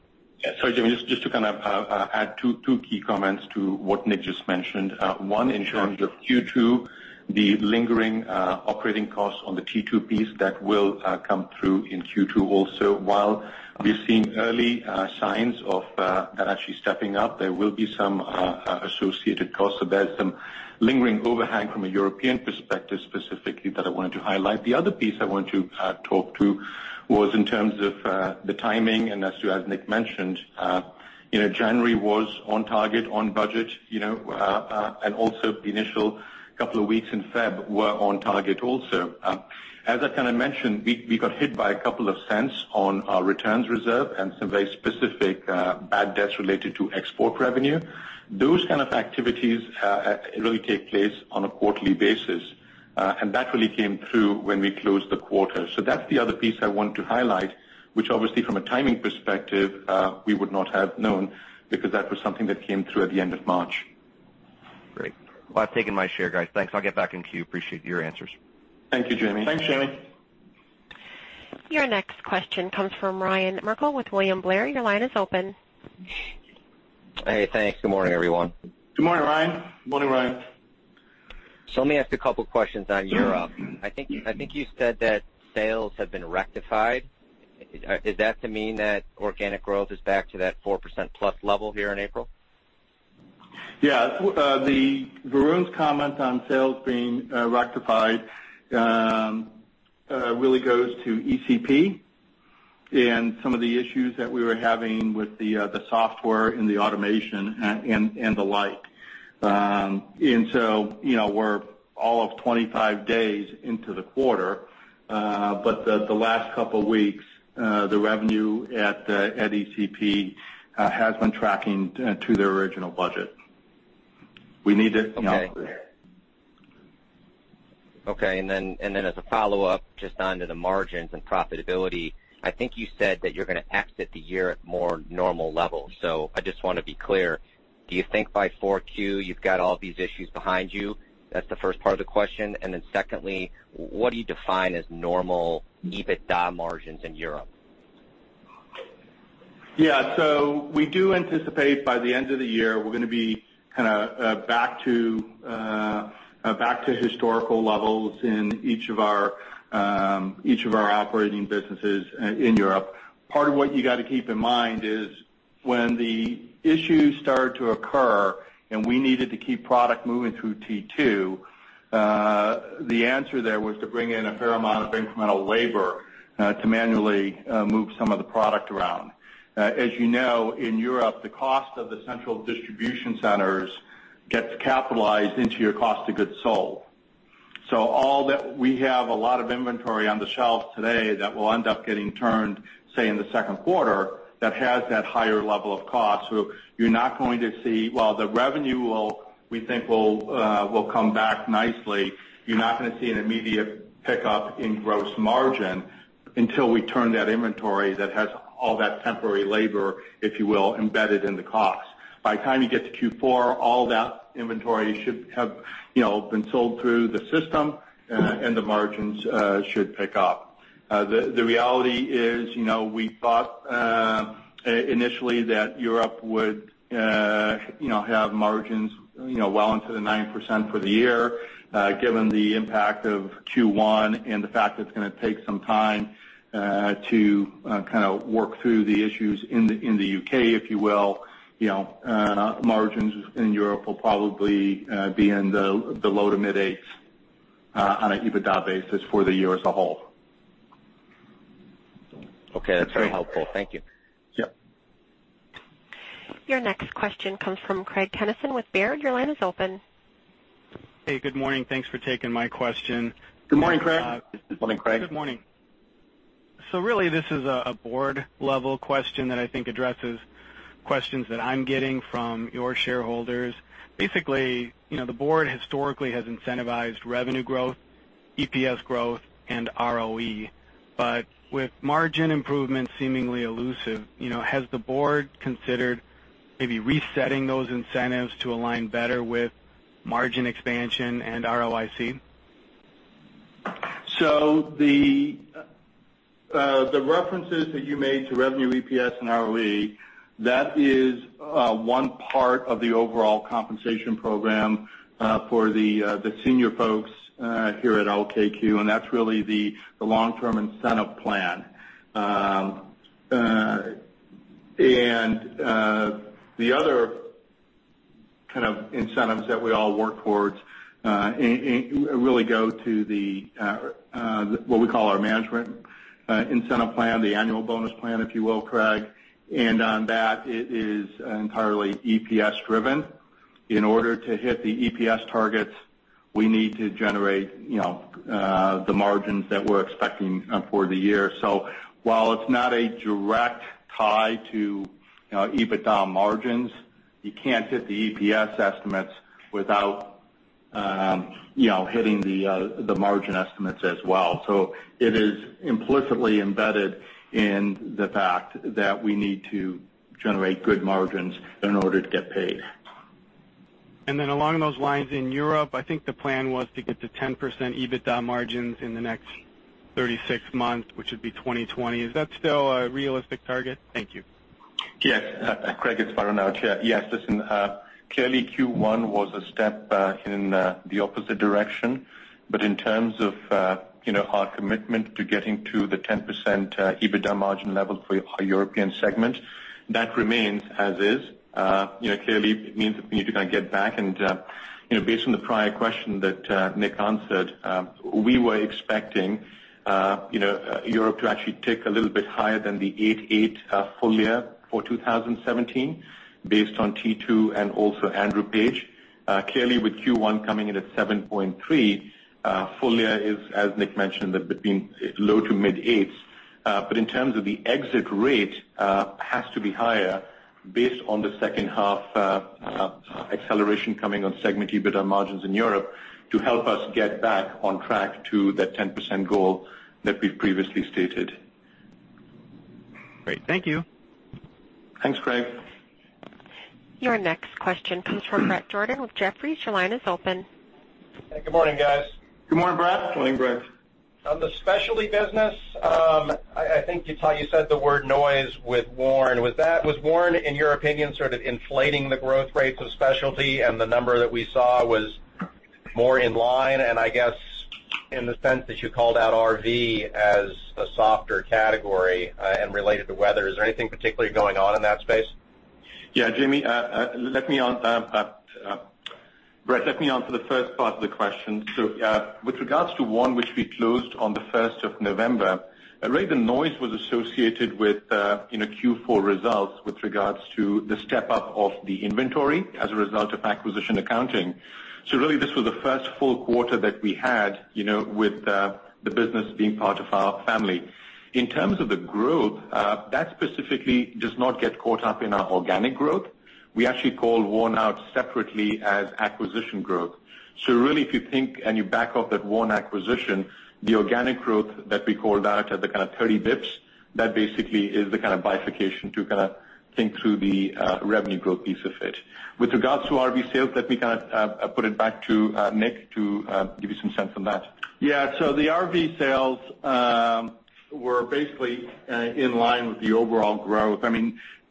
Yeah. Sorry, Jamie, just to kind of add two key comments to what Nick just mentioned. One, in terms of Q2, the lingering operating costs on the T2 piece, that will come through in Q2 also. While we've seen early signs of that actually stepping up, there will be some associated costs. There's some lingering overhang from a European perspective, specifically that I wanted to highlight. The other piece I want to talk to was in terms of the timing. As Nick mentioned, January was on target, on budget, and also the initial couple of weeks in February were on target also. As I kind of mentioned, we got hit by a couple of cents on our returns reserve and some very specific bad debts related to export revenue. Those kind of activities really take place on a quarterly basis. That really came through when we closed the quarter. That's the other piece I want to highlight, which obviously from a timing perspective, we would not have known because that was something that came through at the end of March. Great. Well, I've taken my share, guys. Thanks. I'll get back in queue. Appreciate your answers. Thank you, Jamie. Thanks, Jamie. Your next question comes from Ryan Merkel with William Blair. Your line is open. Hey, thanks. Good morning, everyone. Good morning, Ryan. Morning, Ryan. Let me ask a couple of questions on Europe. I think you said that sales have been rectified. Is that to mean that organic growth is back to that 4% plus level here in April? Varun's comment on sales being rectified really goes to ECP and some of the issues that we were having with the software and the automation and the like. We're all of 25 days into the quarter. The last couple weeks, the revenue at ECP has been tracking to their original budget. Okay. Okay. As a follow-up, just onto the margins and profitability, I think you said that you're going to exit the year at more normal levels. I just want to be clear, do you think by 4Q you've got all these issues behind you? That's the first part of the question. Secondly, what do you define as normal EBITDA margins in Europe? Yeah. We do anticipate by the end of the year, we're going to be kind of back to historical levels in each of our operating businesses in Europe. Part of what you got to keep in mind is when the issues started to occur and we needed to keep product moving through T2, the answer there was to bring in a fair amount of incremental labor to manually move some of the product around. As you know, in Europe, the cost of the central distribution centers gets capitalized into your cost of goods sold. We have a lot of inventory on the shelves today that will end up getting turned, say, in the second quarter that has that higher level of cost. While the revenue we think will come back nicely, you're not going to see an immediate pickup in gross margin until we turn that inventory that has all that temporary labor, if you will, embedded in the cost. By the time you get to Q4, all that inventory should have been sold through the system, and the margins should pick up. The reality is we thought initially that Europe would have margins well into the 9% for the year. Given the impact of Q1 and the fact that it's going to take some time to work through the issues in the U.K., margins in Europe will probably be in the low to mid-eights on an EBITDA basis for the year as a whole. Okay. That's very helpful. Thank you. Yeah. Your next question comes from Craig Kennison with Baird. Your line is open. Hey, good morning. Thanks for taking my question. Good morning, Craig. Good morning, Craig. Good morning. Really this is a board-level question that I think addresses questions that I'm getting from your shareholders. Basically, the board historically has incentivized revenue growth, EPS growth, and ROE. With margin improvements seemingly elusive, has the board considered maybe resetting those incentives to align better with margin expansion and ROIC? The references that you made to revenue, EPS, and ROE, that is one part of the overall compensation program for the senior folks here at LKQ, and that's really the long-term incentive plan. The other kind of incentives that we all work towards really go to what we call our management incentive plan, the annual bonus plan, if you will, Craig. On that, it is entirely EPS driven. In order to hit the EPS targets, we need to generate the margins that we're expecting for the year. While it's not a direct tie to EBITDA margins, you can't hit the EPS estimates without hitting the margin estimates as well. It is implicitly embedded in the fact that we need to generate good margins in order to get paid. Along those lines, in Europe, I think the plan was to get to 10% EBITDA margins in the next 36 months, which would be 2020. Is that still a realistic target? Thank you. Craig, it's Varun Laroyia. Listen. Clearly, Q1 was a step in the opposite direction. In terms of our commitment to getting to the 10% EBITDA margin level for our European segment, that remains as is. Clearly, it means that we need to kind of get back and based on the prior question that Nick answered, we were expecting Europe to actually tick a little bit higher than the 8 full year for 2017 based on T2 and also Andrew Page. Clearly with Q1 coming in at 7.3%, full year is, as Nick mentioned, between low to mid 8s. In terms of the exit rate, has to be higher based on the second half acceleration coming on segment EBITDA margins in Europe to help us get back on track to that 10% goal that we've previously stated. Great. Thank you. Thanks, Craig. Your next question comes from Bret Jordan with Jefferies. Your line is open. Hey, good morning, guys. Good morning, Bret. Morning, Bret. On the specialty business, I think, [you pal], you said the word noise with Warn. Was Warn, in your opinion, sort of inflating the growth rates of specialty and the number that we saw was more in line? I guess in the sense that you called out RV as a softer category and related to weather, is there anything particularly going on in that space? Bret, let me answer the first part of the question. With regards to one which we closed on the 1st of November, really the noise was associated with Q4 results with regards to the step-up of the inventory as a result of acquisition accounting. This was the first full quarter that we had with the business being part of our family. In terms of the growth, that specifically does not get caught up in our organic growth. We actually call Warn out separately as acquisition growth. If you think and you back out that Warn acquisition, the organic growth that we called out at the kind of 30 basis points, that basically is the kind of bifurcation to think through the revenue growth piece of it. With regards to RV sales, let me put it back to Nick to give you some sense on that. The RV sales were basically in line with the overall growth.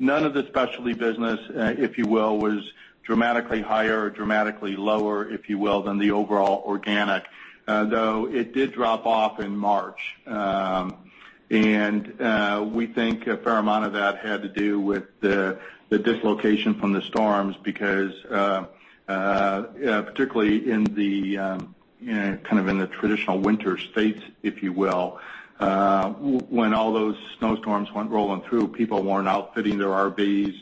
None of the specialty business, if you will, was dramatically higher or dramatically lower, if you will, than the overall organic. Though it did drop off in March. We think a fair amount of that had to do with the dislocation from the storms because, particularly in the traditional winter states, if you will, when all those snowstorms went rolling through, people weren't out fitting their RVs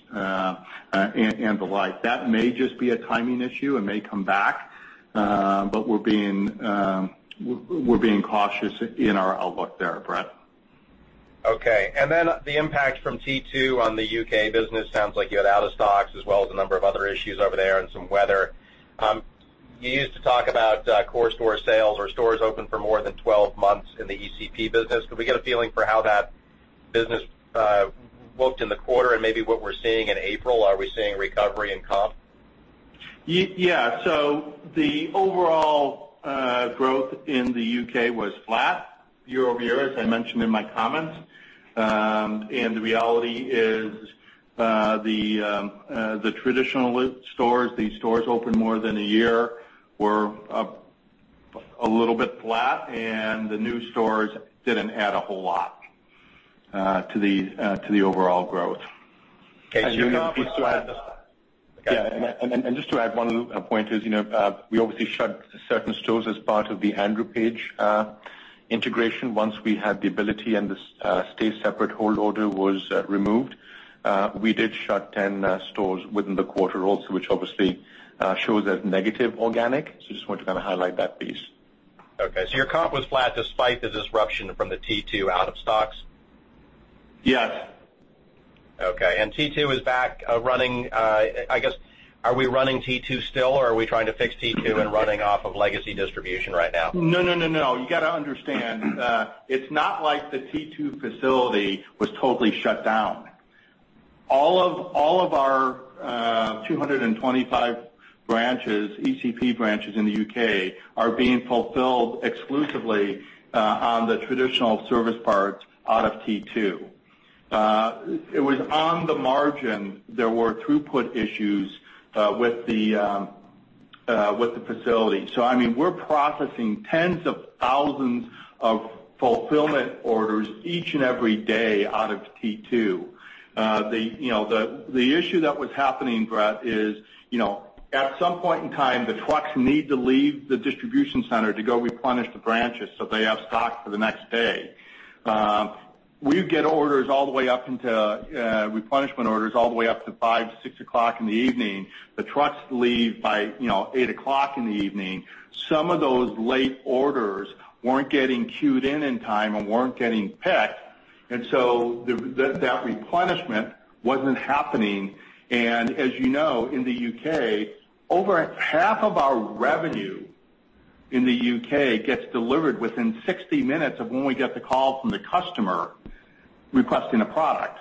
and the like. That may just be a timing issue and may come back, but we're being cautious in our outlook there, Bret. The impact from T2 on the U.K. business, sounds like you had out of stocks as well as a number of other issues over there and some weather. You used to talk about core store sales or stores open for more than 12 months in the ECP business. Could we get a feeling for how that business looked in the quarter and maybe what we're seeing in April? Are we seeing recovery in comp? The overall growth in the U.K. was flat year-over-year, as I mentioned in my comments. The reality is, the traditional stores, these stores open more than one year, were a little bit flat, and the new stores didn't add a whole lot to the overall growth. Okay. Just to add one point is, we obviously shut certain stores as part of the Andrew Page integration once we had the ability and the stay separate hold order was removed. We did shut 10 stores within the quarter also, which obviously shows as negative organic. Just wanted to kind of highlight that piece. Okay. Your comp was flat despite the disruption from the T2 out of stocks? Yes. Okay. T2 is back running. I guess, are we running T2 still, or are we trying to fix T2 and running off of legacy distribution right now? No. You got to understand, it's not like the T2 facility was totally shut down. All of our 225 branches, ECP branches in the U.K., are being fulfilled exclusively on the traditional service parts out of T2. It was on the margin, there were throughput issues with the facility. We're processing tens of thousands of fulfillment orders each and every day out of T2. The issue that was happening, Bret, is at some point in time, the trucks need to leave the distribution center to go replenish the branches so they have stock for the next day. We get replenishment orders all the way up to 5:00 P.M. to 6:00 P.M. The trucks leave by 8:00 P.M. Some of those late orders weren't getting queued in in time and weren't getting picked, that replenishment wasn't happening. As you know, in the U.K., over half of our revenue in the U.K. gets delivered within 60 minutes of when we get the call from the customer requesting a product.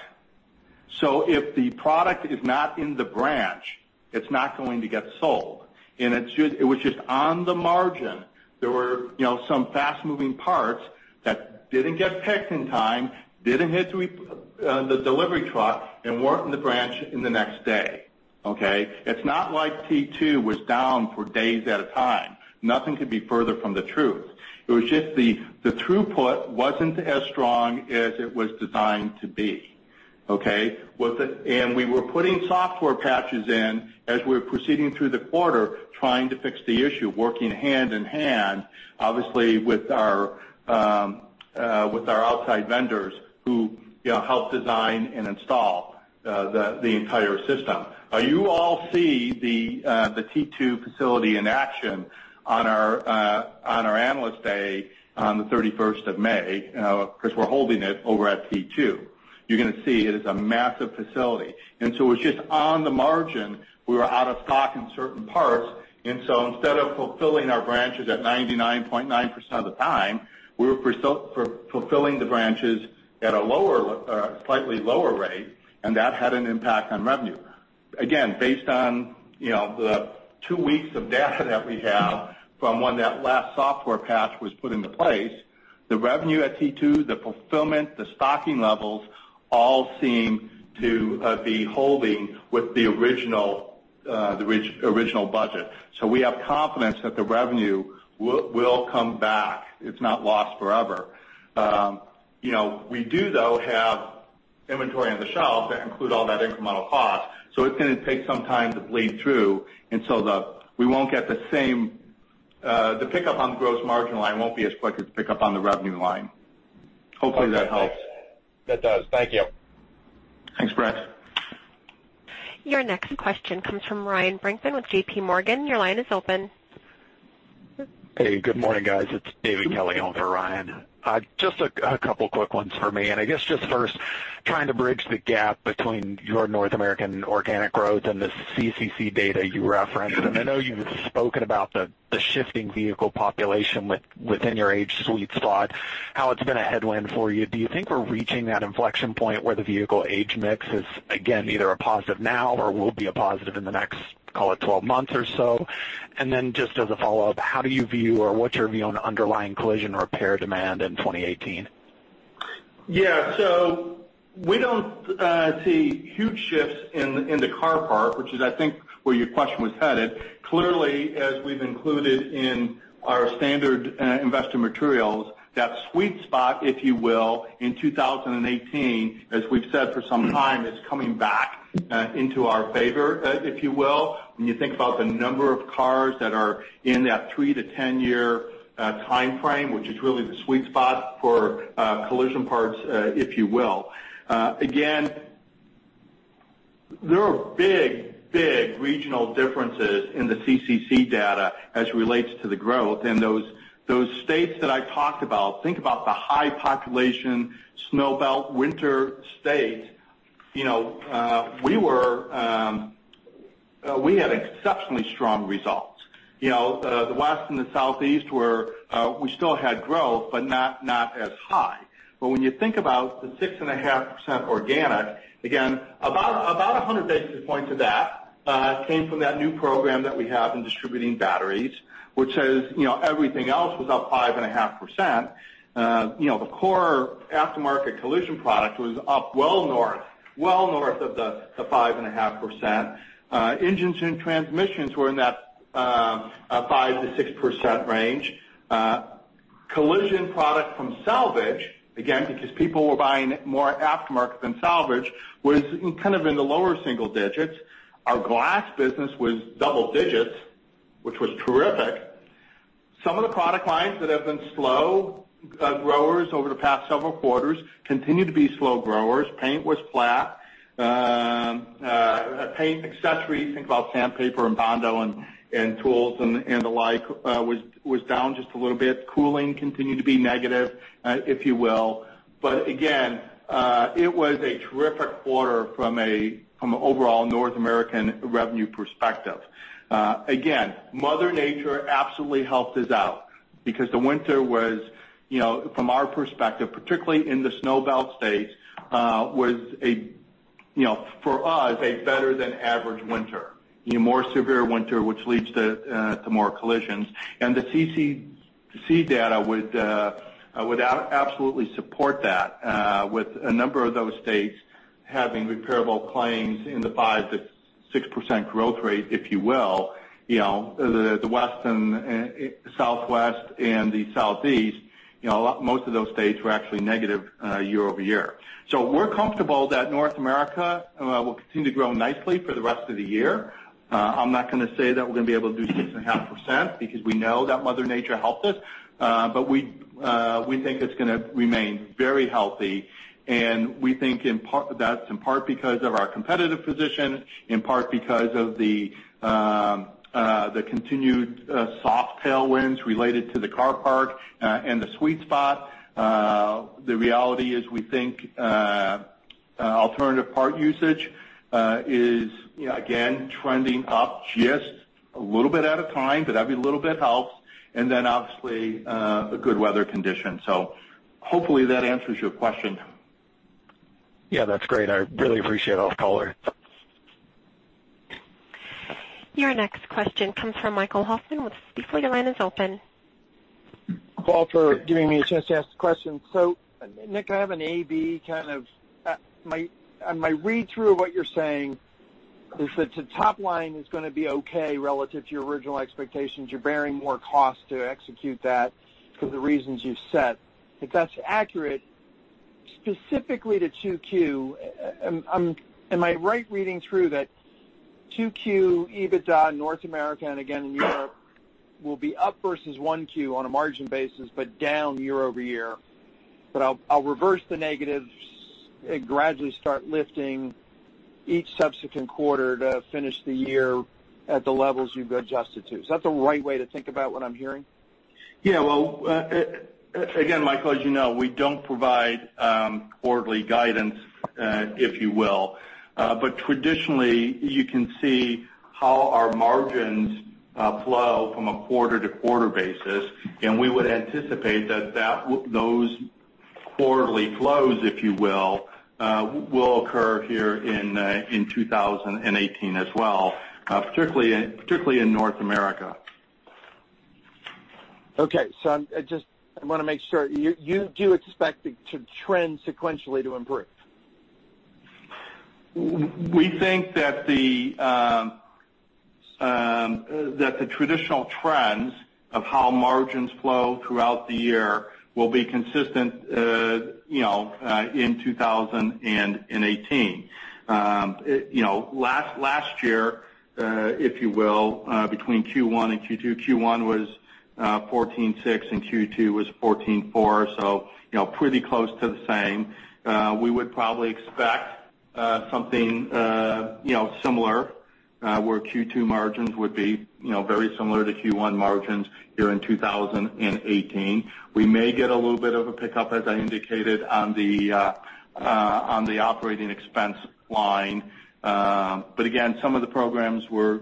If the product is not in the branch, it's not going to get sold, and it was just on the margin. There were some fast-moving parts that didn't get picked in time, didn't hit the delivery truck, and weren't in the branch in the next day. Okay. It's not like T2 was down for days at a time. Nothing could be further from the truth. It was just the throughput wasn't as strong as it was designed to be. Okay. We were putting software patches in as we were proceeding through the quarter, trying to fix the issue, working hand in hand, obviously, with our outside vendors who help design and install the entire system. You all see the T2 facility in action on our Analyst Day on the 31st of May, because we're holding it over at T2. You're going to see it is a massive facility. It was just on the margin, we were out of stock in certain parts, instead of fulfilling our branches at 99.9% of the time, we were fulfilling the branches at a slightly lower rate, and that had an impact on revenue. Again, based on the two weeks of data that we have from when that last software patch was put into place, the revenue at T2, the fulfillment, the stocking levels, all seem to be holding with the original budget. We have confidence that the revenue will come back. It's not lost forever. We do, though, have inventory on the shelves that include all that incremental cost, it's going to take some time to bleed through. We won't get the same. The pickup on the gross margin line won't be as quick as the pickup on the revenue line. Hopefully that helps. That does. Thank you. Thanks, Bret. Your next question comes from Ryan Brinkman with J.P. Morgan. Your line is open. Hey, good morning, guys. It's David Kelly on for Ryan. Just a couple quick ones for me. I guess just first, trying to bridge the gap between your North American organic growth and the CCC data you referenced. I know you've spoken about the shifting vehicle population within your age sweet spot, how it's been a headwind for you. Do you think we're reaching that inflection point where the vehicle age mix is, again, either a positive now or will be a positive in the next, call it, 12 months or so? Just as a follow-up, how do you view or what's your view on underlying collision repair demand in 2018? Yeah. We don't see huge shifts in the car parc, which is, I think, where your question was headed. Clearly, as we've included in our standard investor materials, that sweet spot, if you will, in 2018, as we've said for some time, is coming back into our favor, if you will, when you think about the number of cars that are in that 3-10 year time frame, which is really the sweet spot for collision parts, if you will. Again, there are big regional differences in the CCC data as it relates to the growth and those states that I talked about. Think about the high population snow belt winter states. We had exceptionally strong results in the West and the Southeast where we still had growth, but not as high. When you think about the 6.5% organic, again, about 100 basis points of that came from that new program that we have in distributing batteries, which says everything else was up 5.5%. The core aftermarket collision product was up well north of the 5.5%. Engines and transmissions were in that 5%-6% range. Collision product from salvage, again, because people were buying more aftermarket than salvage, was in the lower single digits. Our glass business was double digits, which was terrific. Some of the product lines that have been slow growers over the past several quarters continue to be slow growers. Paint was flat. Paint accessories, think about sandpaper and Bondo and tools and the like, was down just a little bit. Cooling continued to be negative, if you will. Again, it was a terrific quarter from an overall North American revenue perspective. Again, Mother Nature absolutely helped us out because the winter was, from our perspective, particularly in the Snow Belt states, was for us, a better than average winter. A more severe winter, which leads to more collisions. The CCC data would absolutely support that, with a number of those states having repairable claims in the 5%-6% growth rate, if you will. The West and Southwest and the Southeast, most of those states were actually negative year-over-year. We're comfortable that North America will continue to grow nicely for the rest of the year. I'm not going to say that we're going to be able to do 6.5% because we know that Mother Nature helped us. We think it's going to remain very healthy, and we think that's in part because of our competitive position, in part because of the continued soft tailwinds related to the car parc and the sweet spot. The reality is we think alternative part usage is again trending up just a little bit at a time, but every little bit helps. Obviously, a good weather condition. Hopefully that answers your question. Yeah, that's great. I really appreciate it all color. Your next question comes from Michael Hoffman with Stifel. Your line is open. Thank you for giving me a chance to ask the question. Nick, my read through of what you're saying is that the top line is going to be okay relative to your original expectations. You're bearing more cost to execute that for the reasons you've set. If that's accurate, specifically to 2Q, am I right reading through that 2Q EBITDA in North America and again in Europe will be up versus 1Q on a margin basis, but down year-over-year? I'll reverse the negatives and gradually start lifting each subsequent quarter to finish the year at the levels you've adjusted to. Is that the right way to think about what I'm hearing? Yeah. Well, again, Michael, as you know, we don't provide quarterly guidance, if you will. Traditionally, you can see how our margins flow from a quarter-to-quarter basis, and we would anticipate that those quarterly flows, if you will occur here in 2018 as well, particularly in North America. Okay. I just want to make sure. You do expect it to trend sequentially to improve? We think that the traditional trends of how margins flow throughout the year will be consistent in 2018. Last year, if you will, between Q1 and Q2, Q1 was 14.6 and Q2 was 14.4, so pretty close to the same. We would probably expect something similar, where Q2 margins would be very similar to Q1 margins here in 2018. We may get a little bit of a pickup, as I indicated on the operating expense line. Again, some of the programs we're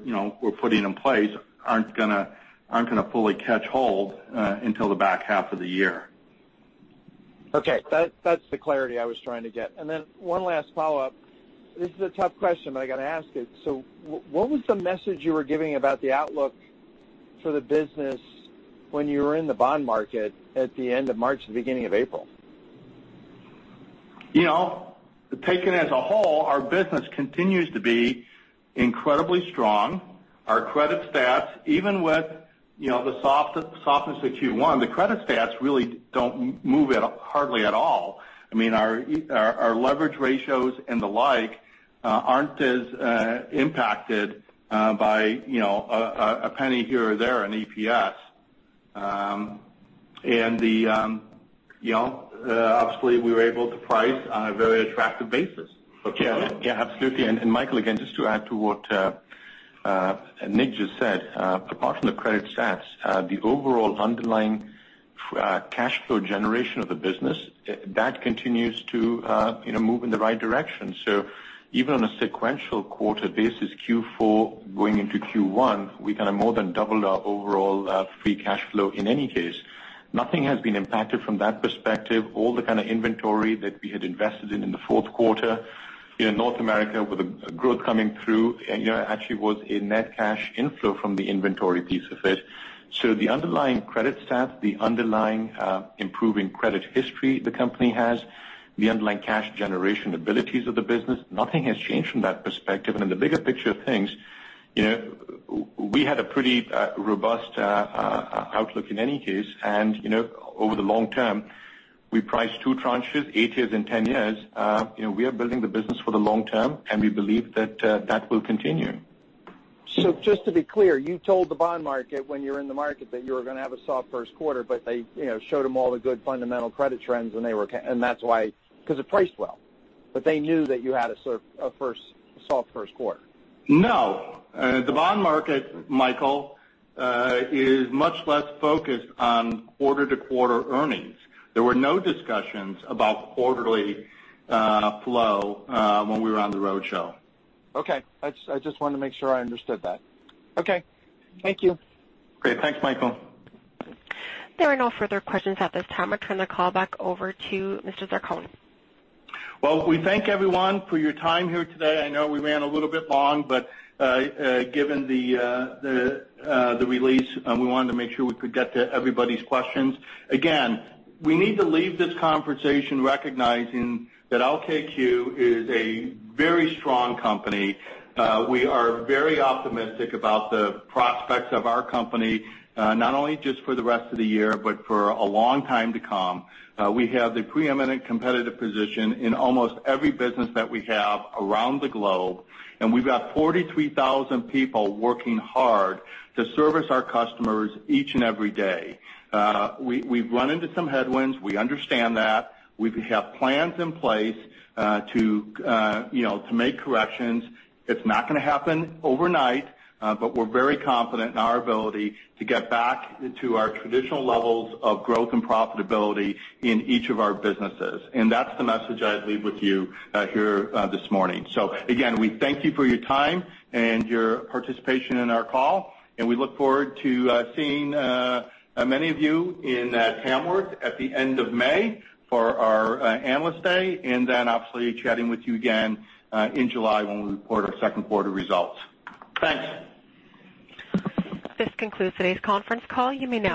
putting in place aren't going to fully catch hold until the back half of the year. Okay. That's the clarity I was trying to get. One last follow-up. This is a tough question, but I got to ask it. What was the message you were giving about the outlook for the business when you were in the bond market at the end of March, the beginning of April? Taken as a whole, our business continues to be incredibly strong. Our credit stats, even with the softness of Q1, the credit stats really don't move hardly at all. I mean, our leverage ratios and the like aren't as impacted by a penny here or there in EPS. Obviously, we were able to price on a very attractive basis. Yeah, absolutely. Michael, again, just to add to what Nick just said. Apart from the credit stats, the overall underlying Cash flow generation of the business, that continues to move in the right direction. Even on a sequential quarter basis, Q4 going into Q1, we kind of more than doubled our overall free cash flow. In any case, nothing has been impacted from that perspective. All the kind of inventory that we had invested in the fourth quarter, North America, with the growth coming through, actually was a net cash inflow from the inventory piece of it. The underlying credit stats, the underlying improving credit history the company has, the underlying cash generation abilities of the business, nothing has changed from that perspective. In the bigger picture of things, we had a pretty robust outlook in any case. Over the long term, we priced two tranches, 8 years and 10 years. We are building the business for the long term, we believe that that will continue. Just to be clear, you told the bond market when you're in the market that you were going to have a soft first quarter, they showed them all the good fundamental credit trends, that's why, because it priced well. They knew that you had a soft first quarter. No. The bond market, Michael, is much less focused on quarter-to-quarter earnings. There were no discussions about quarterly flow when we were on the roadshow. Okay. I just wanted to make sure I understood that. Okay. Thank you. Great. Thanks, Michael. There are no further questions at this time. I turn the call back over to Mr. Zarcone. We thank everyone for your time here today. I know we ran a little bit long, but given the release, we wanted to make sure we could get to everybody's questions. Again, we need to leave this conversation recognizing that LKQ is a very strong company. We are very optimistic about the prospects of our company, not only just for the rest of the year, but for a long time to come. We have the preeminent competitive position in almost every business that we have around the globe, and we've got 43,000 people working hard to service our customers each and every day. We've run into some headwinds. We understand that. We have plans in place to make corrections. It's not going to happen overnight, but we're very confident in our ability to get back to our traditional levels of growth and profitability in each of our businesses. That's the message I leave with you here this morning. Again, we thank you for your time and your participation in our call, we look forward to seeing many of you in Tamworth at the end of May for our Analyst Day, obviously chatting with you again in July when we report our second quarter results. Thanks. This concludes today's conference call. You may now disconnect.